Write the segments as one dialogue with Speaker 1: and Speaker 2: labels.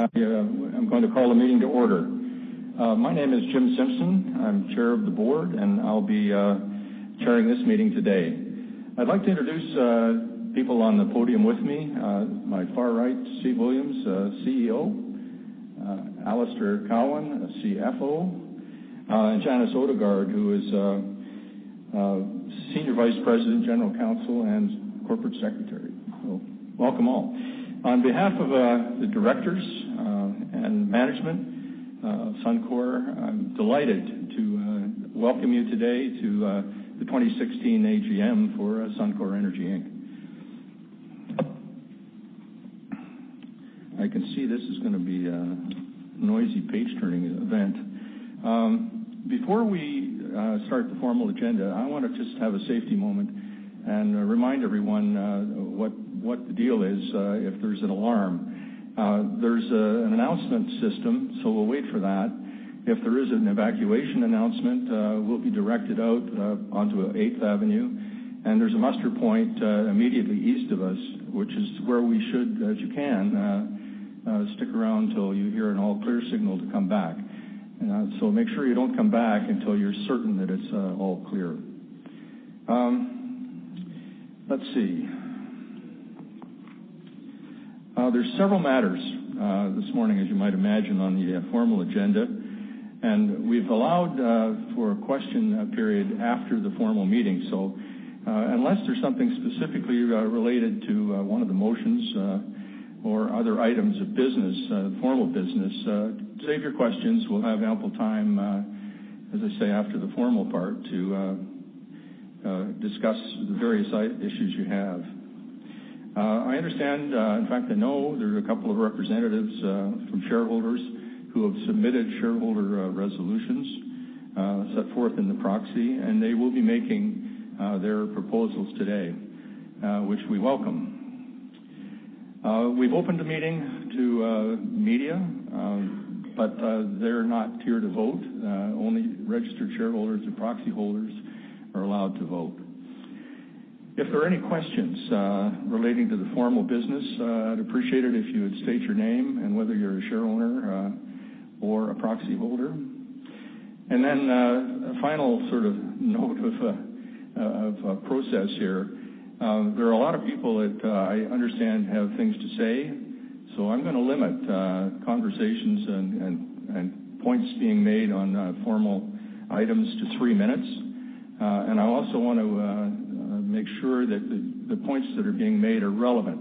Speaker 1: I'm going to call the meeting to order. My name is Jim Simpson. I'm Chair of the Board, and I'll be chairing this meeting today. I'd like to introduce people on the podium with me. My far right, Steve Williams, CEO. Alister Cowan, CFO, and Janice Odegaard, who is Senior Vice President, General Counsel, and Corporate Secretary. Welcome all. On behalf of the directors and management of Suncor, I'm delighted to welcome you today to the 2016 AGM for Suncor Energy Inc. I can see this is going to be a noisy page-turning event. Before we start the formal agenda, I want to just have a safety moment and remind everyone what the deal is if there's an alarm. There's an announcement system, we'll wait for that. If there is an evacuation announcement, we'll be directed out onto Eighth Avenue, and there's a muster point immediately east of us, which is where we should, as you can, stick around till you hear an all clear signal to come back. Make sure you don't come back until you're certain that it's all clear. Let's see. There's several matters this morning, as you might imagine, on the formal agenda, we've allowed for a question period after the formal meeting. Unless there's something specifically related to one of the motions or other items of business, formal business, save your questions. We'll have ample time, as I say, after the formal part to discuss the various issues you have. I understand, in fact, I know there's a couple of representatives from shareholders who have submitted shareholder resolutions set forth in the proxy, they will be making their proposals today, which we welcome. We've opened the meeting to media, they're not here to vote. Only registered shareholders and proxy holders are allowed to vote. If there are any questions relating to the formal business, I'd appreciate it if you would state your name and whether you're a shareholder or a proxy holder. Then a final sort of note of process here. There are a lot of people that I understand have things to say. I'm going to limit conversations and points being made on formal items to three minutes. I also want to make sure that the points that are being made are relevant.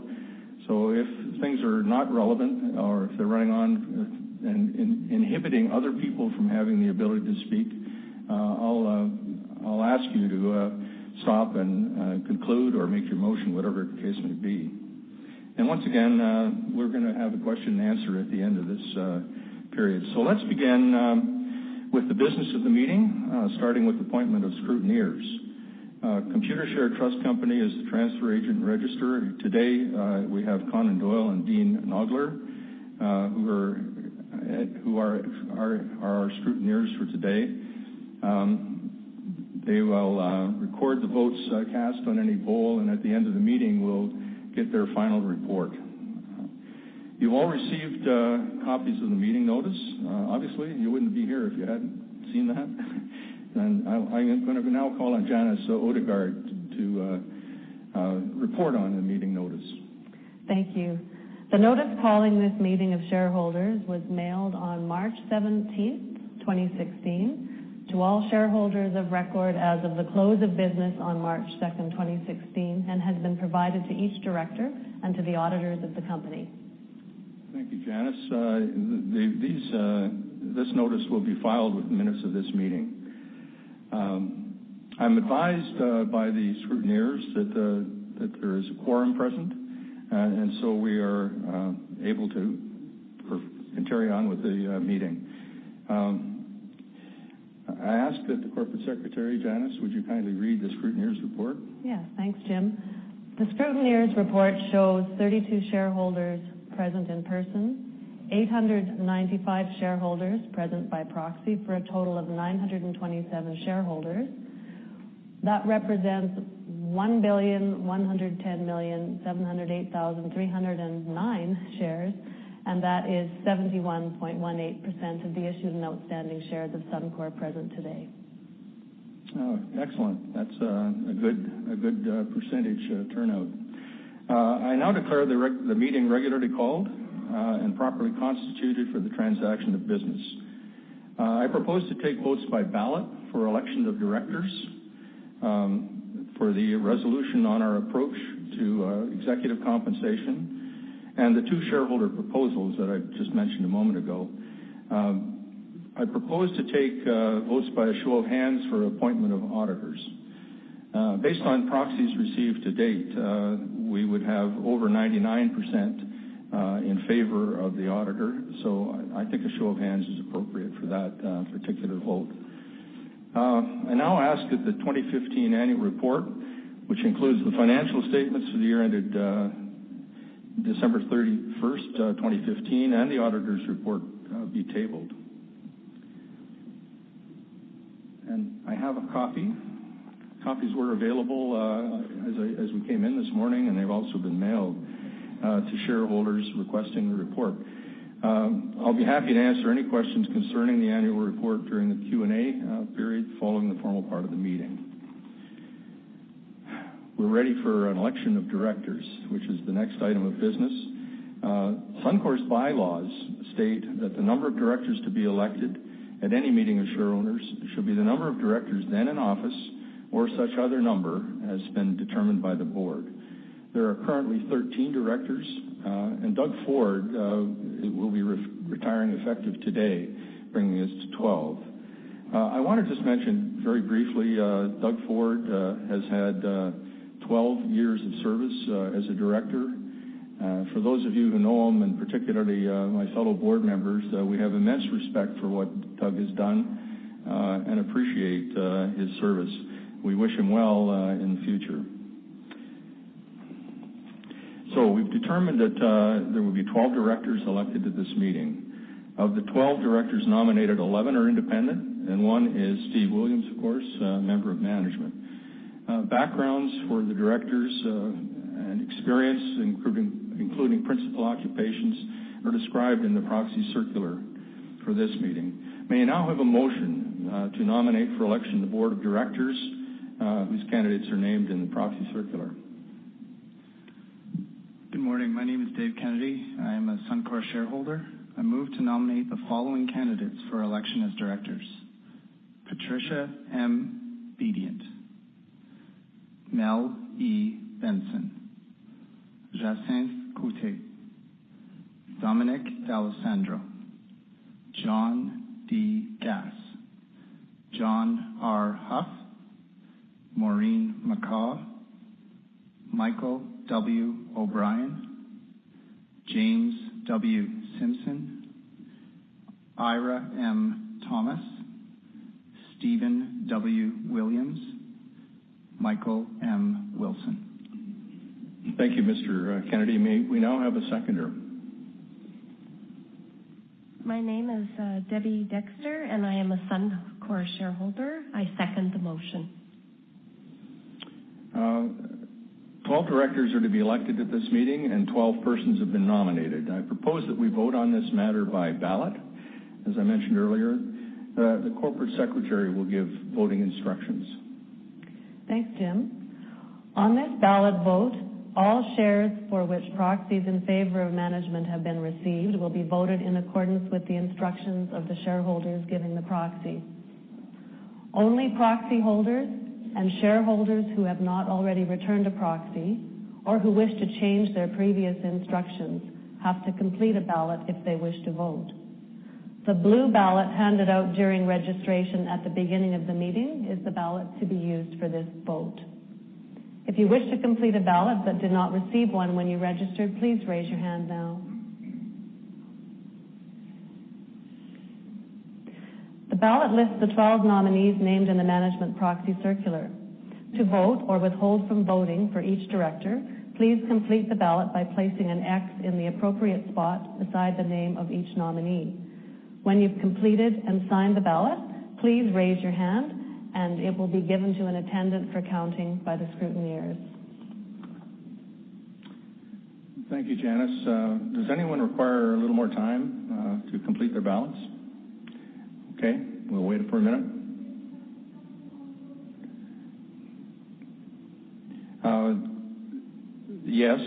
Speaker 1: If things are not relevant or if they're running on and inhibiting other people from having the ability to speak, I'll ask you to stop and conclude or make your motion, whatever the case may be. Once again, we're going to have a question and answer at the end of this period. Let's begin with the business of the meeting, starting with appointment of scrutineers. Computershare Trust Company is the transfer agent and registrar. Today, we have Conon Doyle and Dean Nogler who are our scrutineers for today. They will record the votes cast on any poll, at the end of the meeting, we'll get their final report. You all received copies of the meeting notice. Obviously, you wouldn't be here if you hadn't seen that. I'm going to now call on Janice Odegaard to report on the meeting notice.
Speaker 2: Thank you. The notice calling this meeting of shareholders was mailed on March 17, 2016, to all shareholders of record as of the close of business on March 2, 2016, and has been provided to each director and to the auditors of the company.
Speaker 1: Thank you, Janice. This notice will be filed with the minutes of this meeting. I am advised by the scrutineers that there is a quorum present, and so we are able to carry on with the meeting. I ask that the corporate secretary, Janice, would you kindly read the scrutineers report?
Speaker 2: Yeah. Thanks, Jim. The scrutineers report shows 32 shareholders present in person, 895 shareholders present by proxy, for a total of 927 shareholders. That represents 1,110,708,309 shares. That is 71.18% of the issued and outstanding shares of Suncor present today.
Speaker 1: Oh, excellent. That is a good percentage turnout. I now declare the meeting regularly called and properly constituted for the transaction of business. I propose to take votes by ballot for election of directors, for the resolution on our approach to executive compensation, and the two shareholder proposals that I just mentioned a moment ago. I propose to take votes by a show of hands for appointment of auditors. Based on proxies received to date, we would have over 99% in favor of the auditor, so I think a show of hands is appropriate for that particular vote. I now ask that the 2015 annual report, which includes the financial statements for the year ended December 31, 2015, and the auditor's report be tabled. I have a copy. Copies were available as we came in this morning, and they have also been mailed to shareholders requesting the report. I'll be happy to answer any questions concerning the annual report during the Q&A period following the formal part of the meeting. We're ready for an election of directors, which is the next item of business. Suncor's bylaws state that the number of directors to be elected at any meeting of shareholders should be the number of directors then in office, or such other number as has been determined by the board. There are currently 13 directors, and Doug Ford will be retiring effective today, bringing us to 12. I want to just mention very briefly, Doug Ford has had 12 years of service as a director. For those of you who know him, and particularly my fellow board members, we have immense respect for what Doug has done and appreciate his service. We wish him well in the future. We've determined that there will be 12 directors elected at this meeting. Of the 12 directors nominated, 11 are independent, and one is Steve Williams, of course, a member of management. Backgrounds for the directors and experience including principal occupations, are described in the proxy circular for this meeting. May I now have a motion to nominate for election the board of directors whose candidates are named in the proxy circular?
Speaker 3: Good morning. My name is Dave Kennedy. I am a Suncor shareholder. I move to nominate the following candidates for election as directors: Patricia M. Bedient, Mel E. Benson, Jacynthe Côté, Dominic D'Alessandro, John D. Gass, John R. Huff, Maureen McCaw, Michael W. O'Brien, James W. Simpson, Eira M. Thomas, Stephen W. Williams, Michael M. Wilson.
Speaker 1: Thank you, Mr. Kennedy. May we now have a seconder?
Speaker 3: My name is Debbie Dexter. I am a Suncor shareholder. I second the motion.
Speaker 1: 12 directors are to be elected at this meeting. 12 persons have been nominated. I propose that we vote on this matter by ballot, as I mentioned earlier. The corporate secretary will give voting instructions.
Speaker 2: Thanks, Jim. On this ballot vote, all shares for which proxies in favor of management have been received will be voted in accordance with the instructions of the shareholders giving the proxy. Only proxy holders and shareholders who have not already returned a proxy or who wish to change their previous instructions have to complete a ballot if they wish to vote. The blue ballot handed out during registration at the beginning of the meeting is the ballot to be used for this vote. If you wish to complete a ballot but did not receive one when you registered, please raise your hand now. The ballot lists the 12 nominees named in the management proxy circular. To vote or withhold from voting for each director, please complete the ballot by placing an X in the appropriate spot beside the name of each nominee. When you've completed and signed the ballot, please raise your hand. It will be given to an attendant for counting by the scrutineers.
Speaker 1: Thank you, Janice. Does anyone require a little more time to complete their ballots? Okay, we'll wait for a minute. Yes,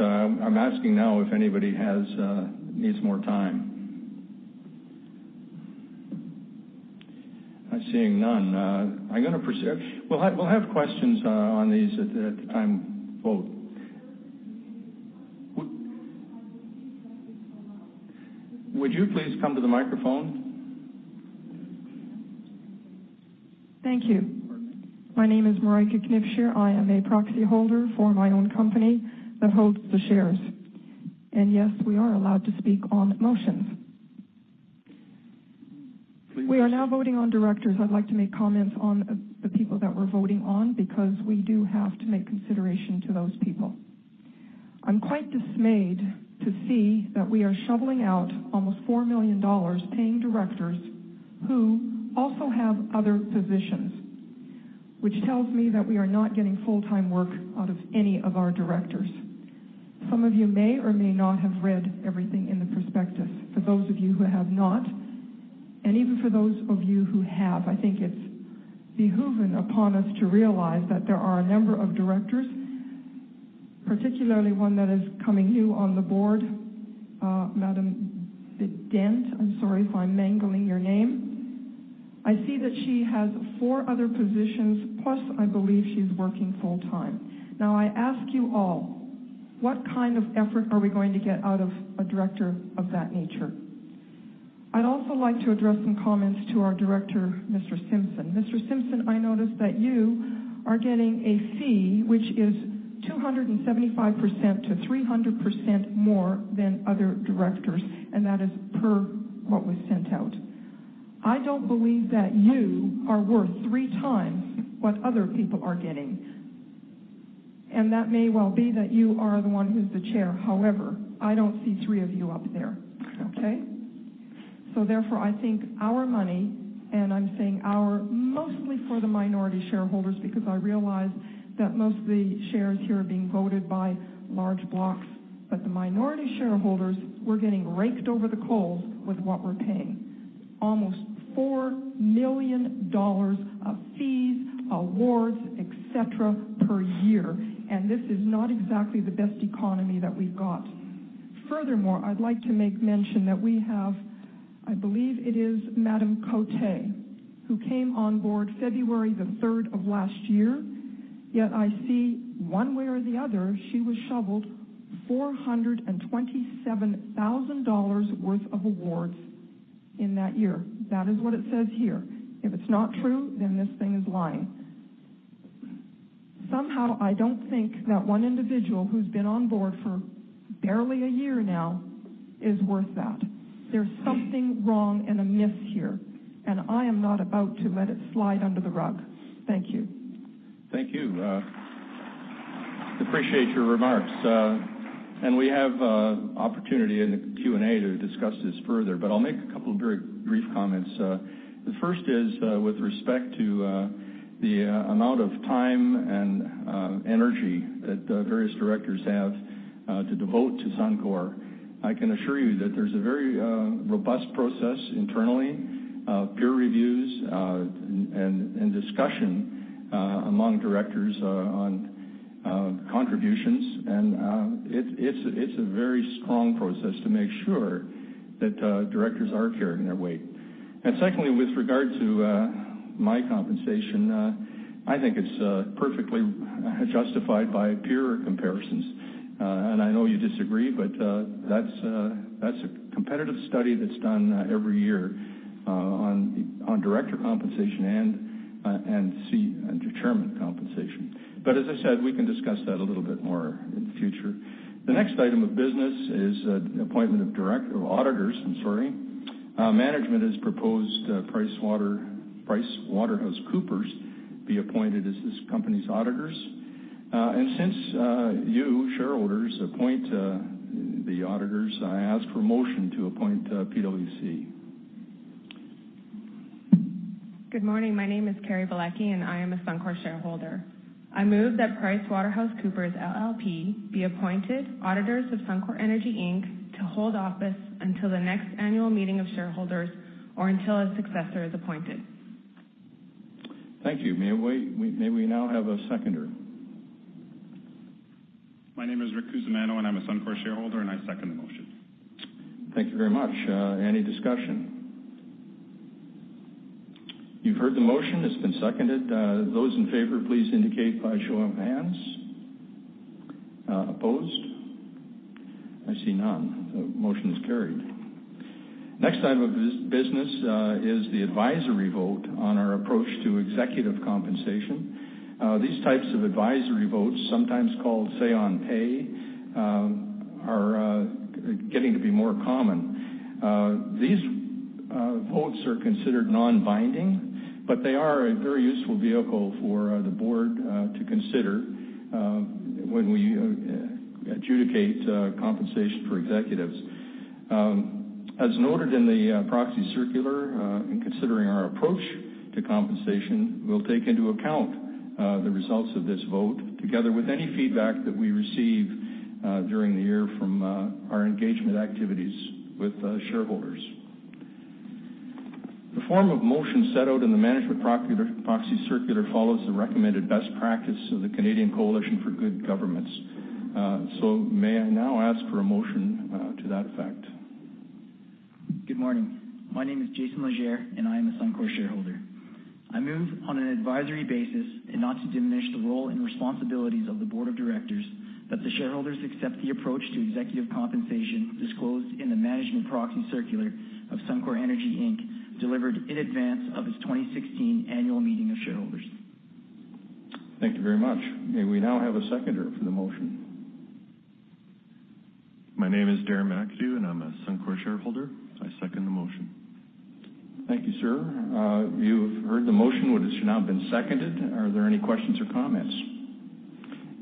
Speaker 1: I'm asking now if anybody needs more time. I'm seeing none. I'm going to proceed. We'll have questions on these at the time of vote. Would you please come to the microphone? Thank you. My name is Marijke Knipscheer. I am a proxy holder for my own company that holds the shares. Yes, we are allowed to speak on motions. Please- We are now voting on directors. I'd like to make comments on the people that we're voting on because we do have to make consideration to those people. I'm quite dismayed to see that we are shoveling out almost 4 million dollars paying directors who also have other positions, which tells me that we are not getting full-time work out of any of our directors. Some of you may or may not have read everything in the prospectus. For those of you who have not, even for those of you who have, I think it's behooven upon us to realize that there are a number of directors, particularly one that is coming new on the board, Patricia Bedient, I'm sorry if I'm mangling your name. I see that she has four other positions, plus I believe she's working full time. Now, I ask you all, what kind of effort are we going to get out of a director of that nature? I'd also like to address some comments to our director, Mr. Simpson. Mr. Simpson, I notice that you are getting a fee, which is 275%-300% more than other directors, and that is per what was sent out. I don't believe that you are worth three times what other people are getting. That may well be that you are the one who's the chair. However, I don't see three of you up there. Okay? Therefore, I think our money, and I'm saying our mostly for the minority shareholders, because I realize that most of the shares here are being voted by large blocks, the minority shareholders, we're getting raked over the coals with what we're paying. Almost 4 million dollars of fees, awards, et cetera, per year. This is not exactly the best economy that we've got. Furthermore, I'd like to make mention that we have, I believe it is Maureen Côté, who came on board February 3rd of last year, yet I see one way or the other, she was shoveled 427,000 dollars worth of awards in that year. That is what it says here. If it's not true, then this thing is lying. Somehow, I don't think that one individual who's been on board for barely a year now is worth that. There's something wrong and amiss here, and I am not about to let it slide under the rug. Thank you. Thank you. Appreciate your remarks. We have opportunity in Q&A to discuss this further, but I'll make a couple of very brief comments. The first is, with respect to the amount of time and energy that various directors have to devote to Suncor, I can assure you that there's a very robust process internally of peer reviews and discussion among directors on contributions. It's a very strong process to make sure that directors are carrying their weight. Secondly, with regard to my compensation, I think it's perfectly justified by peer comparisons. I know you disagree, but that's a competitive study that's done every year on director compensation and chairman compensation. As I said, we can discuss that a little bit more in the future. The next item of business is the appointment of auditors, I'm sorry. Management has proposed that PricewaterhouseCoopers be appointed as this company's auditors. Since you, shareholders, appoint the auditors, I ask for a motion to appoint PwC.
Speaker 4: Good morning. My name is Carrie Bilecki, and I am a Suncor shareholder. I move that PricewaterhouseCoopers LLP be appointed auditors of Suncor Energy Inc. to hold office until the next annual meeting of shareholders or until a successor is appointed.
Speaker 1: Thank you. May we now have a seconder?
Speaker 5: My name is Rick Cusimano, and I'm a Suncor shareholder, and I second the motion.
Speaker 1: Thank you very much. Any discussion? You've heard the motion. It's been seconded. Those in favor, please indicate by show of hands. Opposed? I see none. The motion is carried. Next item of business is the advisory vote on our approach to executive compensation. These types of advisory votes, sometimes called Say on Pay, are getting to be more common. These votes are considered non-binding, but they are a very useful vehicle for the board to consider when we adjudicate compensation for executives. As noted in the proxy circular, in considering our approach to compensation, we'll take into account the results of this vote, together with any feedback that we receive during the year from our engagement activities with shareholders. The form of motion set out in the management proxy circular follows the recommended best practice of the Canadian Coalition for Good Governance. May I now ask for a motion to that effect?
Speaker 6: Good morning. My name is Jason Legere, and I am a Suncor shareholder. I move on an advisory basis and not to diminish the role and responsibilities of the board of directors, that the shareholders accept the approach to executive compensation disclosed in the management proxy circular of Suncor Energy Inc., delivered in advance of its 2016 annual meeting of shareholders.
Speaker 1: Thank you very much. May we now have a seconder for the motion?
Speaker 3: My name is Darren McAdoo, and I'm a Suncor shareholder. I second the motion.
Speaker 1: Thank you, sir. You have heard the motion, which has now been seconded. Are there any questions or comments?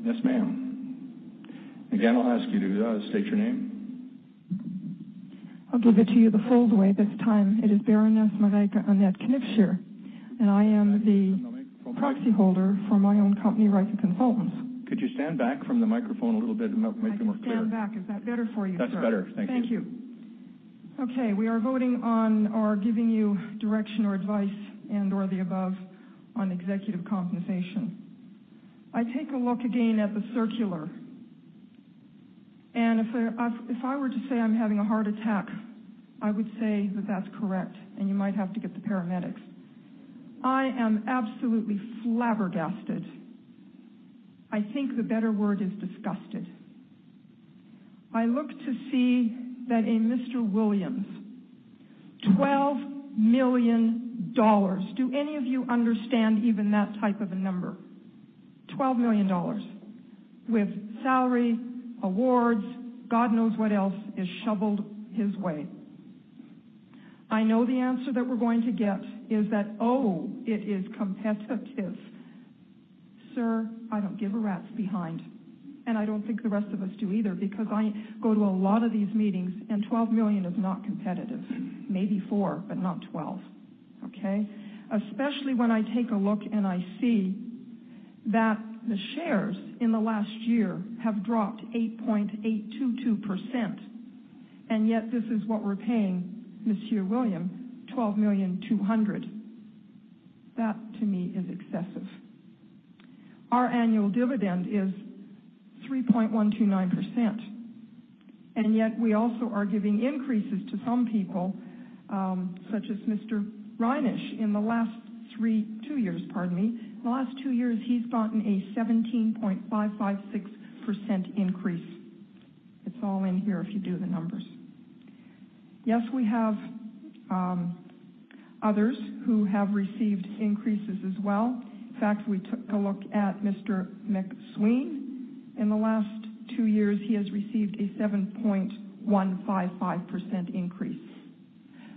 Speaker 1: Yes, ma'am. Again, I'll ask you to state your name. I'll give it to you the full way this time. It is Baroness Marijke Annette Knipscheer, and I am the proxy holder for my own company, Reika Consultants. Could you stand back from the microphone a little bit? It might make it more clear. I can stand back. Is that better for you, sir? That's better. Thank you. Thank you. Okay, we are voting on, or giving you direction or advice, and/or the above on executive compensation. I take a look again at the circular, and if I were to say I'm having a heart attack, I would say that that's correct, and you might have to get the paramedics. I am absolutely flabbergasted. I think the better word is disgusted. I look to see that a Mr. Williams, 12 million dollars. Do any of you understand even that type of a number? 12 million dollars with salary, awards, God knows what else is shoveled his way. I know the answer that we're going to get is that it is competitive. Sir, I don't give a rat's behind, and I don't think the rest of us do either, because I go to a lot of these meetings, and 12 million is not competitive. Maybe CAD four, but not 12. Okay? Especially when I take a look and I see that the shares in the last year have dropped 8.822%, and yet this is what we're paying Mr. Williams, 12,000,200. That, to me, is excessive. Our annual dividend is 3.129%, and yet we also are giving increases to some people, such as Mr. Reynish. In the last two years, pardon me. In the last two years, he's gotten a 17.556% increase. It's all in here if you do the numbers. Yes, we have others who have received increases as well. In fact, we took a look at Mr. MacSween. In the last two years, he has received a 7.155% increase.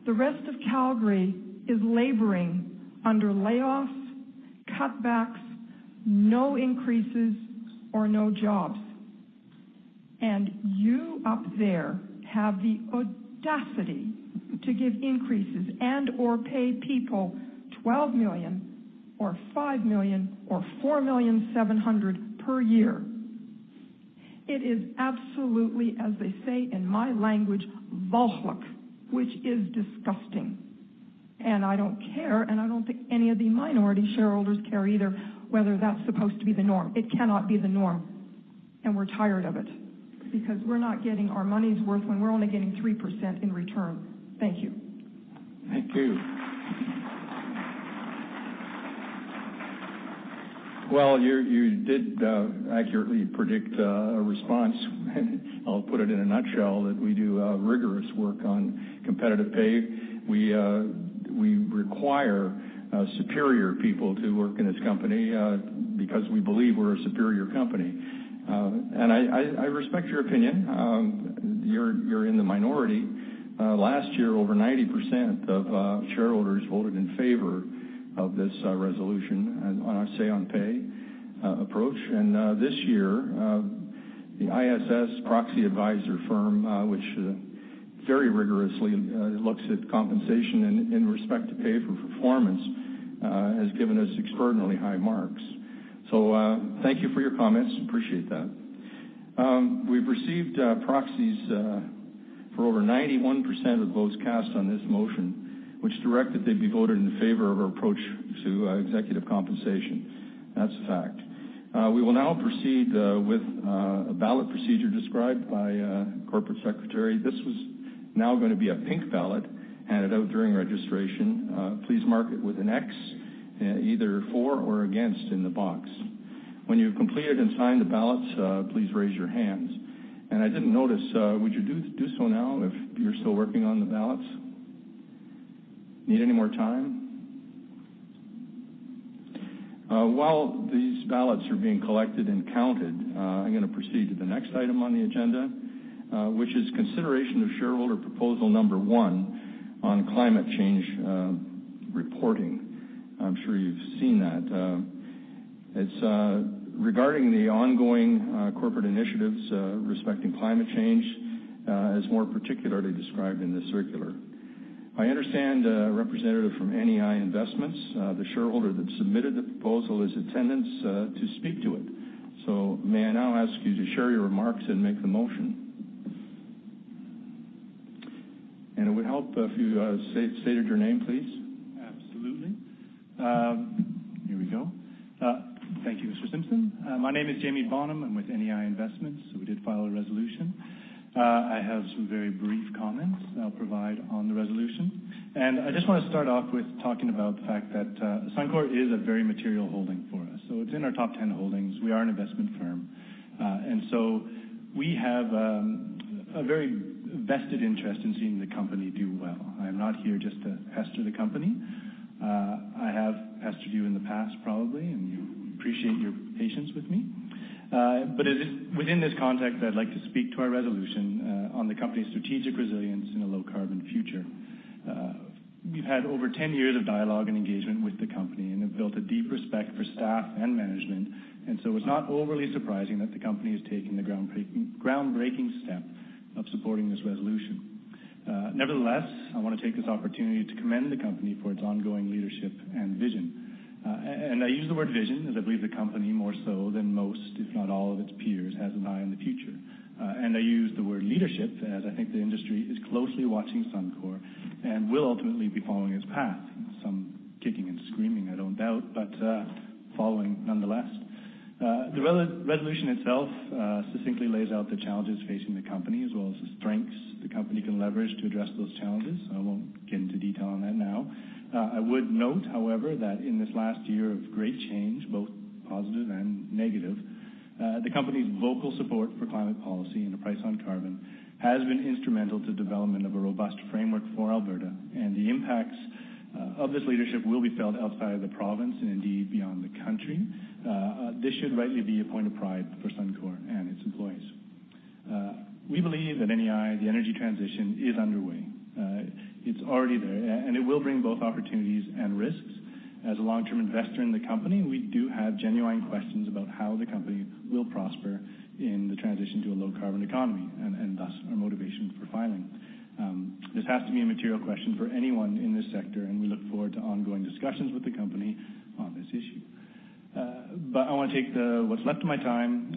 Speaker 1: The rest of Calgary is laboring under layoffs, cutbacks, no increases, or no jobs. You up there have the audacity to give increases and/or pay people 12 million or 5 million or 4,000,700 per year. It is absolutely as they say in my language, which is disgusting. I don't care, and I don't think any of the minority shareholders care either whether that's supposed to be the norm. It cannot be the norm, and we're tired of it because we're not getting our money's worth when we're only getting 3% in return. Thank you. Thank you. Well, you did accurately predict a response. I'll put it in a nutshell that we do rigorous work on competitive pay. We require superior people to work in this company because we believe we're a superior company. I respect your opinion. You're in the minority. Last year, over 90% of shareholders voted in favor of this resolution on our Say on Pay approach. This year, the ISS proxy advisor firm, which very rigorously looks at compensation in respect to pay for performance, has given us extraordinarily high marks. Thank you for your comments. Appreciate that. We've received proxies for over 91% of votes cast on this motion, which direct that they be voted in favor of our approach to executive compensation. That's a fact. We will now proceed with a ballot procedure described by corporate secretary. This is now going to be a pink ballot handed out during registration. Please mark it with an X, either for or against in the box. When you've completed and signed the ballots, please raise your hands. I didn't notice, would you do so now if you're still working on the ballots? Need any more time? While these ballots are being collected and counted, I'm going to proceed to the next item on the agenda, which is consideration of shareholder proposal number one on climate change reporting. I'm sure you've seen that. It's regarding the ongoing corporate initiatives respecting climate change, as more particularly described in this circular. I understand a representative from NEI Investments, the shareholder that submitted the proposal, is attendance to speak to it. May I now ask you to share your remarks and make the motion? It would help if you stated your name, please.
Speaker 7: Absolutely. Here we go. Thank you, Mr. Simpson. My name is Jamie Bonham. I'm with NEI Investments. We did file a resolution. I have some very brief comments that I'll provide on the resolution. I just want to start off with talking about the fact that Suncor is a very material holding for us. It's in our top 10 holdings. We are an investment firm. We have a very vested interest in seeing the company do well. I'm not here just to pester the company. I have pestered you in the past, probably, and appreciate your patience with me. Within this context, I'd like to speak to our resolution on the company's strategic resilience in a low carbon future. We've had over 10 years of dialogue and engagement with the company and have built a deep respect for staff and management. It's not overly surprising that the company is taking the groundbreaking step of supporting this resolution. Nevertheless, I want to take this opportunity to commend the company for its ongoing leadership and vision. I use the word vision as I believe the company, more so than most, if not all of its peers, has an eye on the future. I use the word leadership as I think the industry is closely watching Suncor and will ultimately be following its path. Some kicking and screaming, I don't doubt, but following nonetheless. The resolution itself succinctly lays out the challenges facing the company as well as the strengths the company can leverage to address those challenges. I won't get into detail on that now. I would note, however, that in this last year of great change, both positive and negative, the company's vocal support for climate policy and a price on carbon has been instrumental to development of a robust framework for Alberta. The impacts of this leadership will be felt outside of the province and indeed beyond the country. This should rightly be a point of pride for Suncor and its employees. We believe at NEI the energy transition is underway. It's already there, and it will bring both opportunities and risks. As a long-term investor in the company, we do have genuine questions about how the company will prosper in the transition to a low-carbon economy. Thus our motivation for filing. This has to be a material question for anyone in this sector, and we look forward to ongoing discussions with the company on this issue. I want to take what's left of my time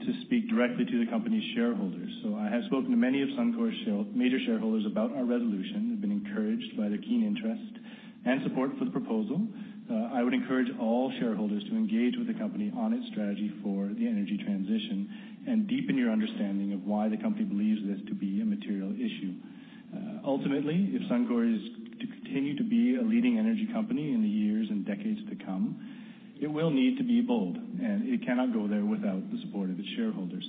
Speaker 7: to speak directly to the company's shareholders. I have spoken to many of Suncor's major shareholders about our resolution. We've been encouraged by their keen interest and support for the proposal. I would encourage all shareholders to engage with the company on its strategy for the energy transition and deepen your understanding of why the company believes this to be a material issue. Ultimately, if Suncor is to continue to be a leading energy company in the years and decades to come, it will need to be bold. It cannot go there without the support of its shareholders.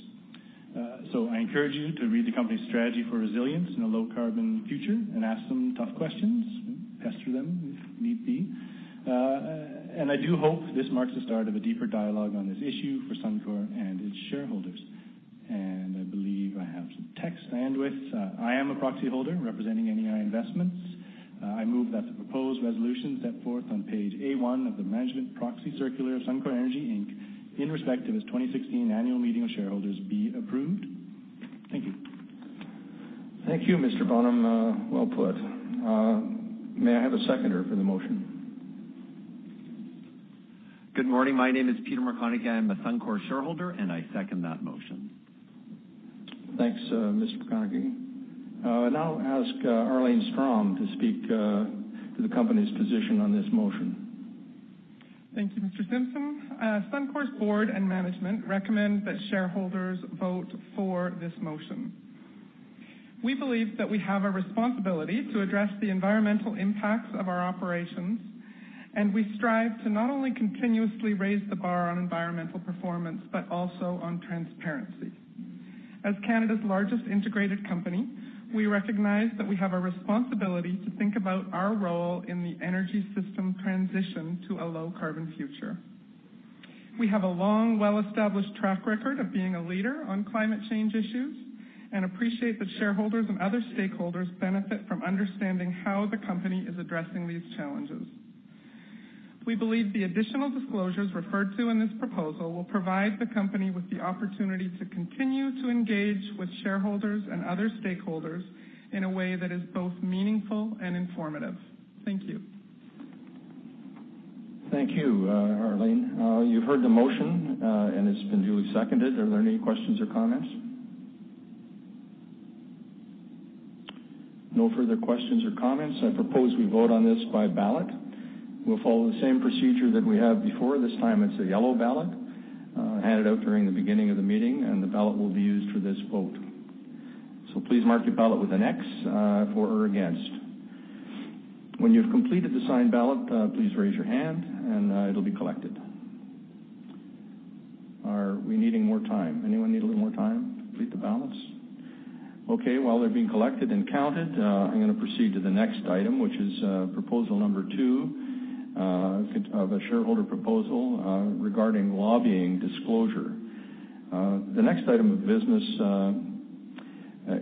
Speaker 7: I encourage you to read the company's strategy for resilience in a low-carbon future and ask some tough questions, pester them if need be. I do hope this marks the start of a deeper dialogue on this issue for Suncor and its shareholders. I believe I have some text to end with. I am a proxy holder representing NEI Investments. I move that the proposed resolution set forth on page A1 of the management proxy circular Suncor Energy Inc, in respect of its 2016 annual meeting of shareholders, be approved. Thank you.
Speaker 1: Thank you, Mr. Bonham. Well put. May I have a seconder for the motion?
Speaker 8: Good morning. My name is Peter McConachie. I'm a Suncor shareholder, I second that motion.
Speaker 1: Thanks, Mr. McConachie. I'll now ask Arlene Strom to speak to the company's position on this motion.
Speaker 9: Thank you, Mr. Simpson. Suncor's board and management recommend that shareholders vote for this motion. We believe that we have a responsibility to address the environmental impacts of our operations, we strive to not only continuously raise the bar on environmental performance, but also on transparency. As Canada's largest integrated company, we recognize that we have a responsibility to think about our role in the energy system transition to a low-carbon future. We have a long, well-established track record of being a leader on climate change issues and appreciate that shareholders and other stakeholders benefit from understanding how the company is addressing these challenges. We believe the additional disclosures referred to in this proposal will provide the company with the opportunity to continue to engage with shareholders and other stakeholders in a way that is both meaningful and informative. Thank you.
Speaker 1: Thank you, Arlene. You've heard the motion, it's been duly seconded. Are there any questions or comments? No further questions or comments. I propose we vote on this by ballot. We'll follow the same procedure that we have before. This time it's a yellow ballot, handed out during the beginning of the meeting, the ballot will be used for this vote. Please mark your ballot with an X, for or against. When you've completed the signed ballot, please raise your hand and it'll be collected. Are we needing more time? Anyone need a little more time to complete the ballots? Okay. While they're being collected and counted, I'm going to proceed to the next item, which is proposal number 2, of a shareholder proposal regarding lobbying disclosure. The next item of business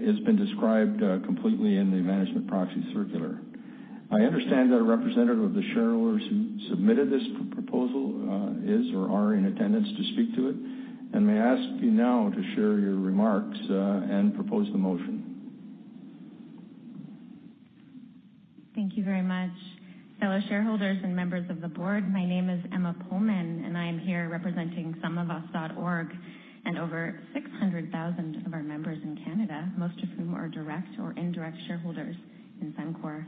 Speaker 1: has been described completely in the management proxy circular. I understand that a representative of the shareholders who submitted this proposal is or are in attendance to speak to it, and may I ask you now to share your remarks and propose the motion. Thank you very much. Fellow shareholders and members of the board, my name is Emma Pullman, and I am here representing SumOfUs.org and over 600,000 of our members in Canada, most of whom are direct or indirect shareholders in Suncor.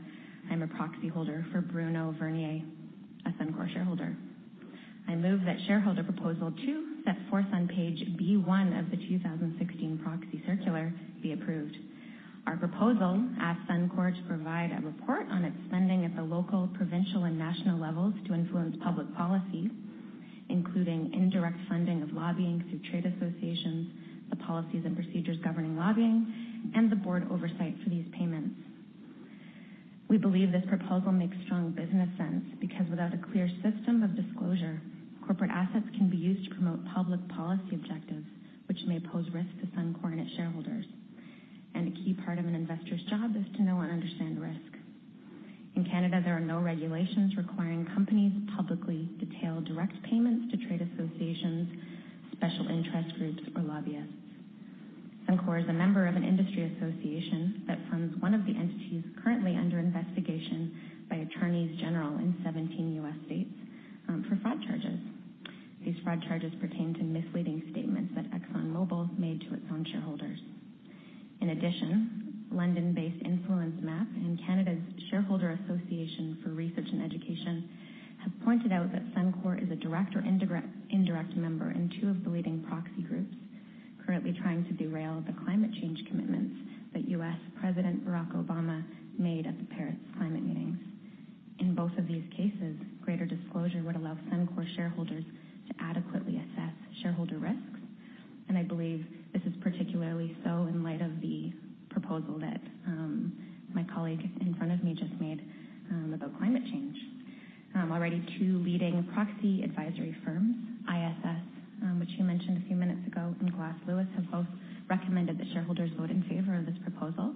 Speaker 1: I am a proxy holder for Bruno Vernier, a Suncor shareholder. I move that shareholder proposal two, set forth on page B1 of the 2016 proxy circular, be approved. Our proposal asks Suncor to provide a report on its spending at the local, provincial, and national levels to influence public policy, including indirect funding of lobbying through trade associations, the policies and procedures governing lobbying, and the board oversight for these payments. We believe this proposal makes strong business sense, because without a clear system of disclosure, corporate assets can be used to promote public policy objectives, which may pose risks to Suncor and its shareholders. A key part of an investor's job is to know and understand risk. In Canada, there are no regulations requiring companies to publicly detail direct payments to trade associations, special interest groups, or lobbyists. Suncor is a member of an industry association that funds one of the entities currently under investigation by attorneys general in 17 U.S. states for fraud charges. These fraud charges pertain to misleading statements that ExxonMobil made to its own shareholders. In addition, London-based InfluenceMap and Canada's Shareholder Association for Research and Education have pointed out that Suncor is a direct or indirect member in two of the leading proxy groups currently trying to derail the climate change commitments that U.S. President Barack Obama made at the Paris climate meetings. In both of these cases, greater disclosure would allow Suncor shareholders to adequately assess shareholder risks. I believe this is particularly in light of the proposal that my colleague in front of me just made about climate change. Already two leading proxy advisory firms, ISS, which you mentioned a few minutes ago, and Glass Lewis, have both recommended that shareholders vote in favor of this proposal.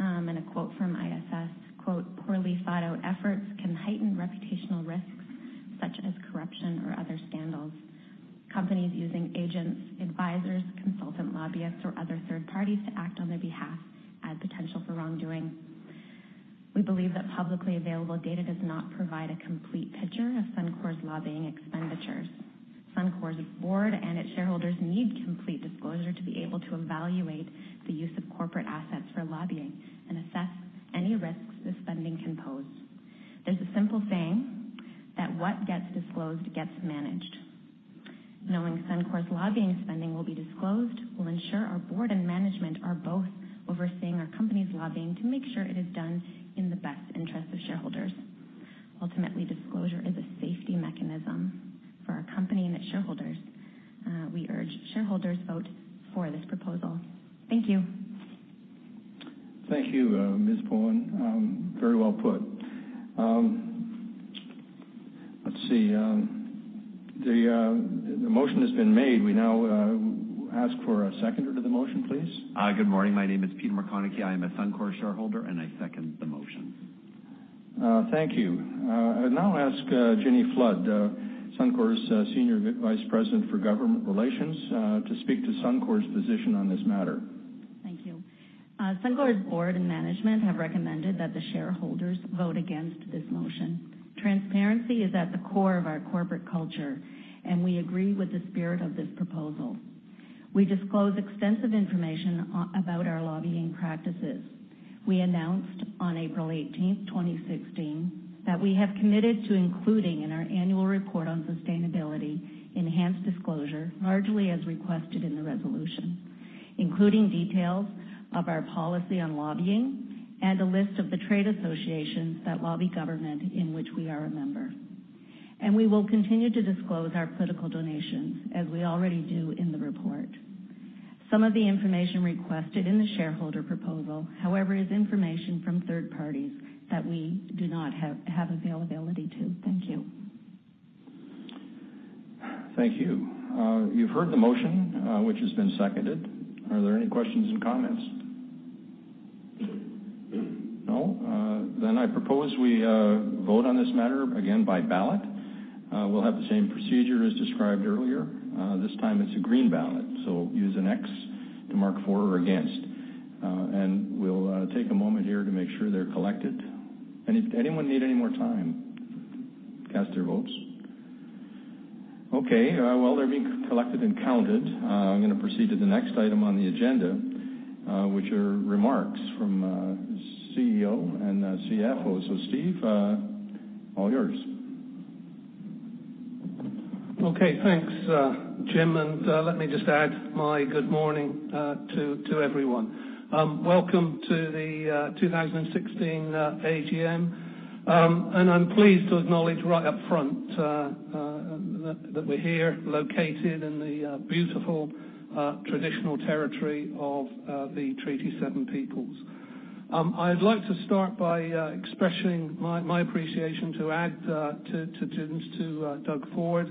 Speaker 1: A quote from ISS, quote, "Poorly thought-out efforts can heighten reputational risks such as corruption or other scandals. Companies using agents, advisers, consultant lobbyists, or other third parties to act on their behalf add potential for wrongdoing. We believe that publicly available data does not provide a complete picture of Suncor's lobbying expenditures. Suncor's board and its shareholders need complete disclosure to be able to evaluate the use of corporate assets for lobbying and assess any risks this spending can pose. There's a simple saying that what gets disclosed gets managed. Knowing Suncor's lobbying spending will be disclosed will ensure our Board and management are both overseeing our company's lobbying to make sure it is done in the best interest of shareholders. Ultimately, disclosure is a safety mechanism for our company and its shareholders. We urge shareholders vote for this proposal. Thank you. Thank you, Ms. Pullman. Very well put. Let's see. The motion has been made. We now ask for a seconder to the motion, please.
Speaker 8: Good morning. My name is Peter McConachie. I am a Suncor shareholder, and I second the motion.
Speaker 1: Thank you. I now ask Ginny Flood, Suncor's Senior Vice President for Government Relations, to speak to Suncor's position on this matter.
Speaker 10: Thank you. Suncor's board and management have recommended that the shareholders vote against this motion. Transparency is at the core of our corporate culture. We agree with the spirit of this proposal. We disclose extensive information about our lobbying practices. We announced on April 18, 2016, that we have committed to including in our annual report on sustainability enhanced disclosure, largely as requested in the resolution, including details of our policy on lobbying and a list of the trade associations that lobby government in which we are a member. We will continue to disclose our political donations as we already do in the report. Some of the information requested in the shareholder proposal, however, is information from third parties that we do not have availability to. Thank you.
Speaker 1: Thank you. You've heard the motion, which has been seconded. Are there any questions and comments? No? I propose we vote on this matter again by ballot. We'll have the same procedure as described earlier. This time it's a green ballot, so use an X to mark for or against. We'll take a moment here to make sure they're collected. Anyone need any more time to cast their votes? Okay. While they're being collected and counted, I'm going to proceed to the next item on the agenda, which are remarks from CEO and CFO. Steve, all yours.
Speaker 11: Okay, thanks, Jim. Let me just add my good morning to everyone. Welcome to the 2016 AGM. I'm pleased to acknowledge right up front that we're here located in the beautiful traditional territory of the Treaty 7 peoples. I'd like to start by expressing my appreciation to add to Doug Ford.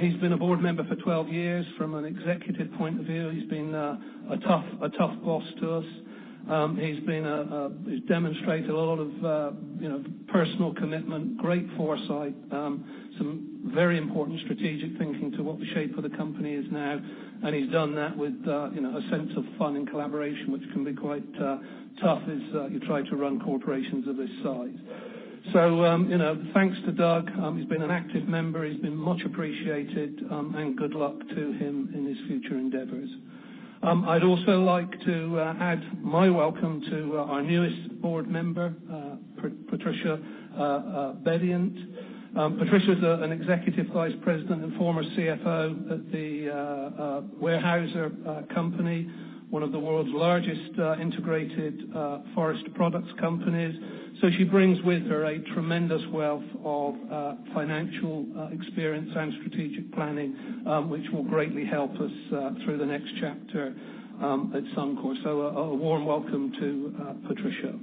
Speaker 11: He's been a board member for 12 years. From an executive point of view, he's been a tough boss to us. He's demonstrated a lot of personal commitment, great foresight, some very important strategic thinking to what the shape of the company is now, and he's done that with a sense of fun and collaboration, which can be quite tough as you try to run corporations of this size. Thanks to Doug. He's been an active member. He's been much appreciated, and good luck to him in his future endeavors. I'd also like to add my welcome to our newest board member, Patricia Bedient. Patricia is an Executive Vice President and former CFO at the Weyerhaeuser Company, one of the world's largest integrated forest products companies. She brings with her a tremendous wealth of financial experience and strategic planning, which will greatly help us through the next chapter at Suncor. A warm welcome to Patricia.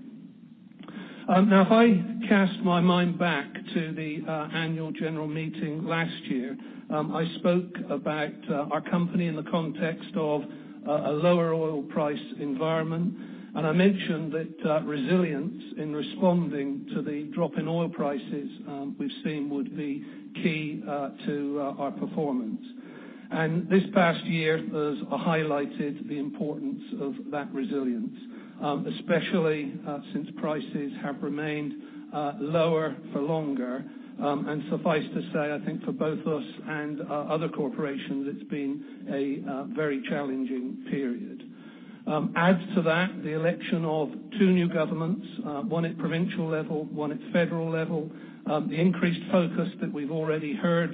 Speaker 11: If I cast my mind back to the annual general meeting last year, I spoke about our company in the context of a lower oil price environment. I mentioned that resilience in responding to the drop in oil prices we've seen would be key to our performance. This past year has highlighted the importance of that resilience, especially since prices have remained lower for longer. Suffice to say, I think for both us and other corporations, it's been a very challenging period. Add to that the election of two new governments, one at provincial level, one at federal level, the increased focus that we've already heard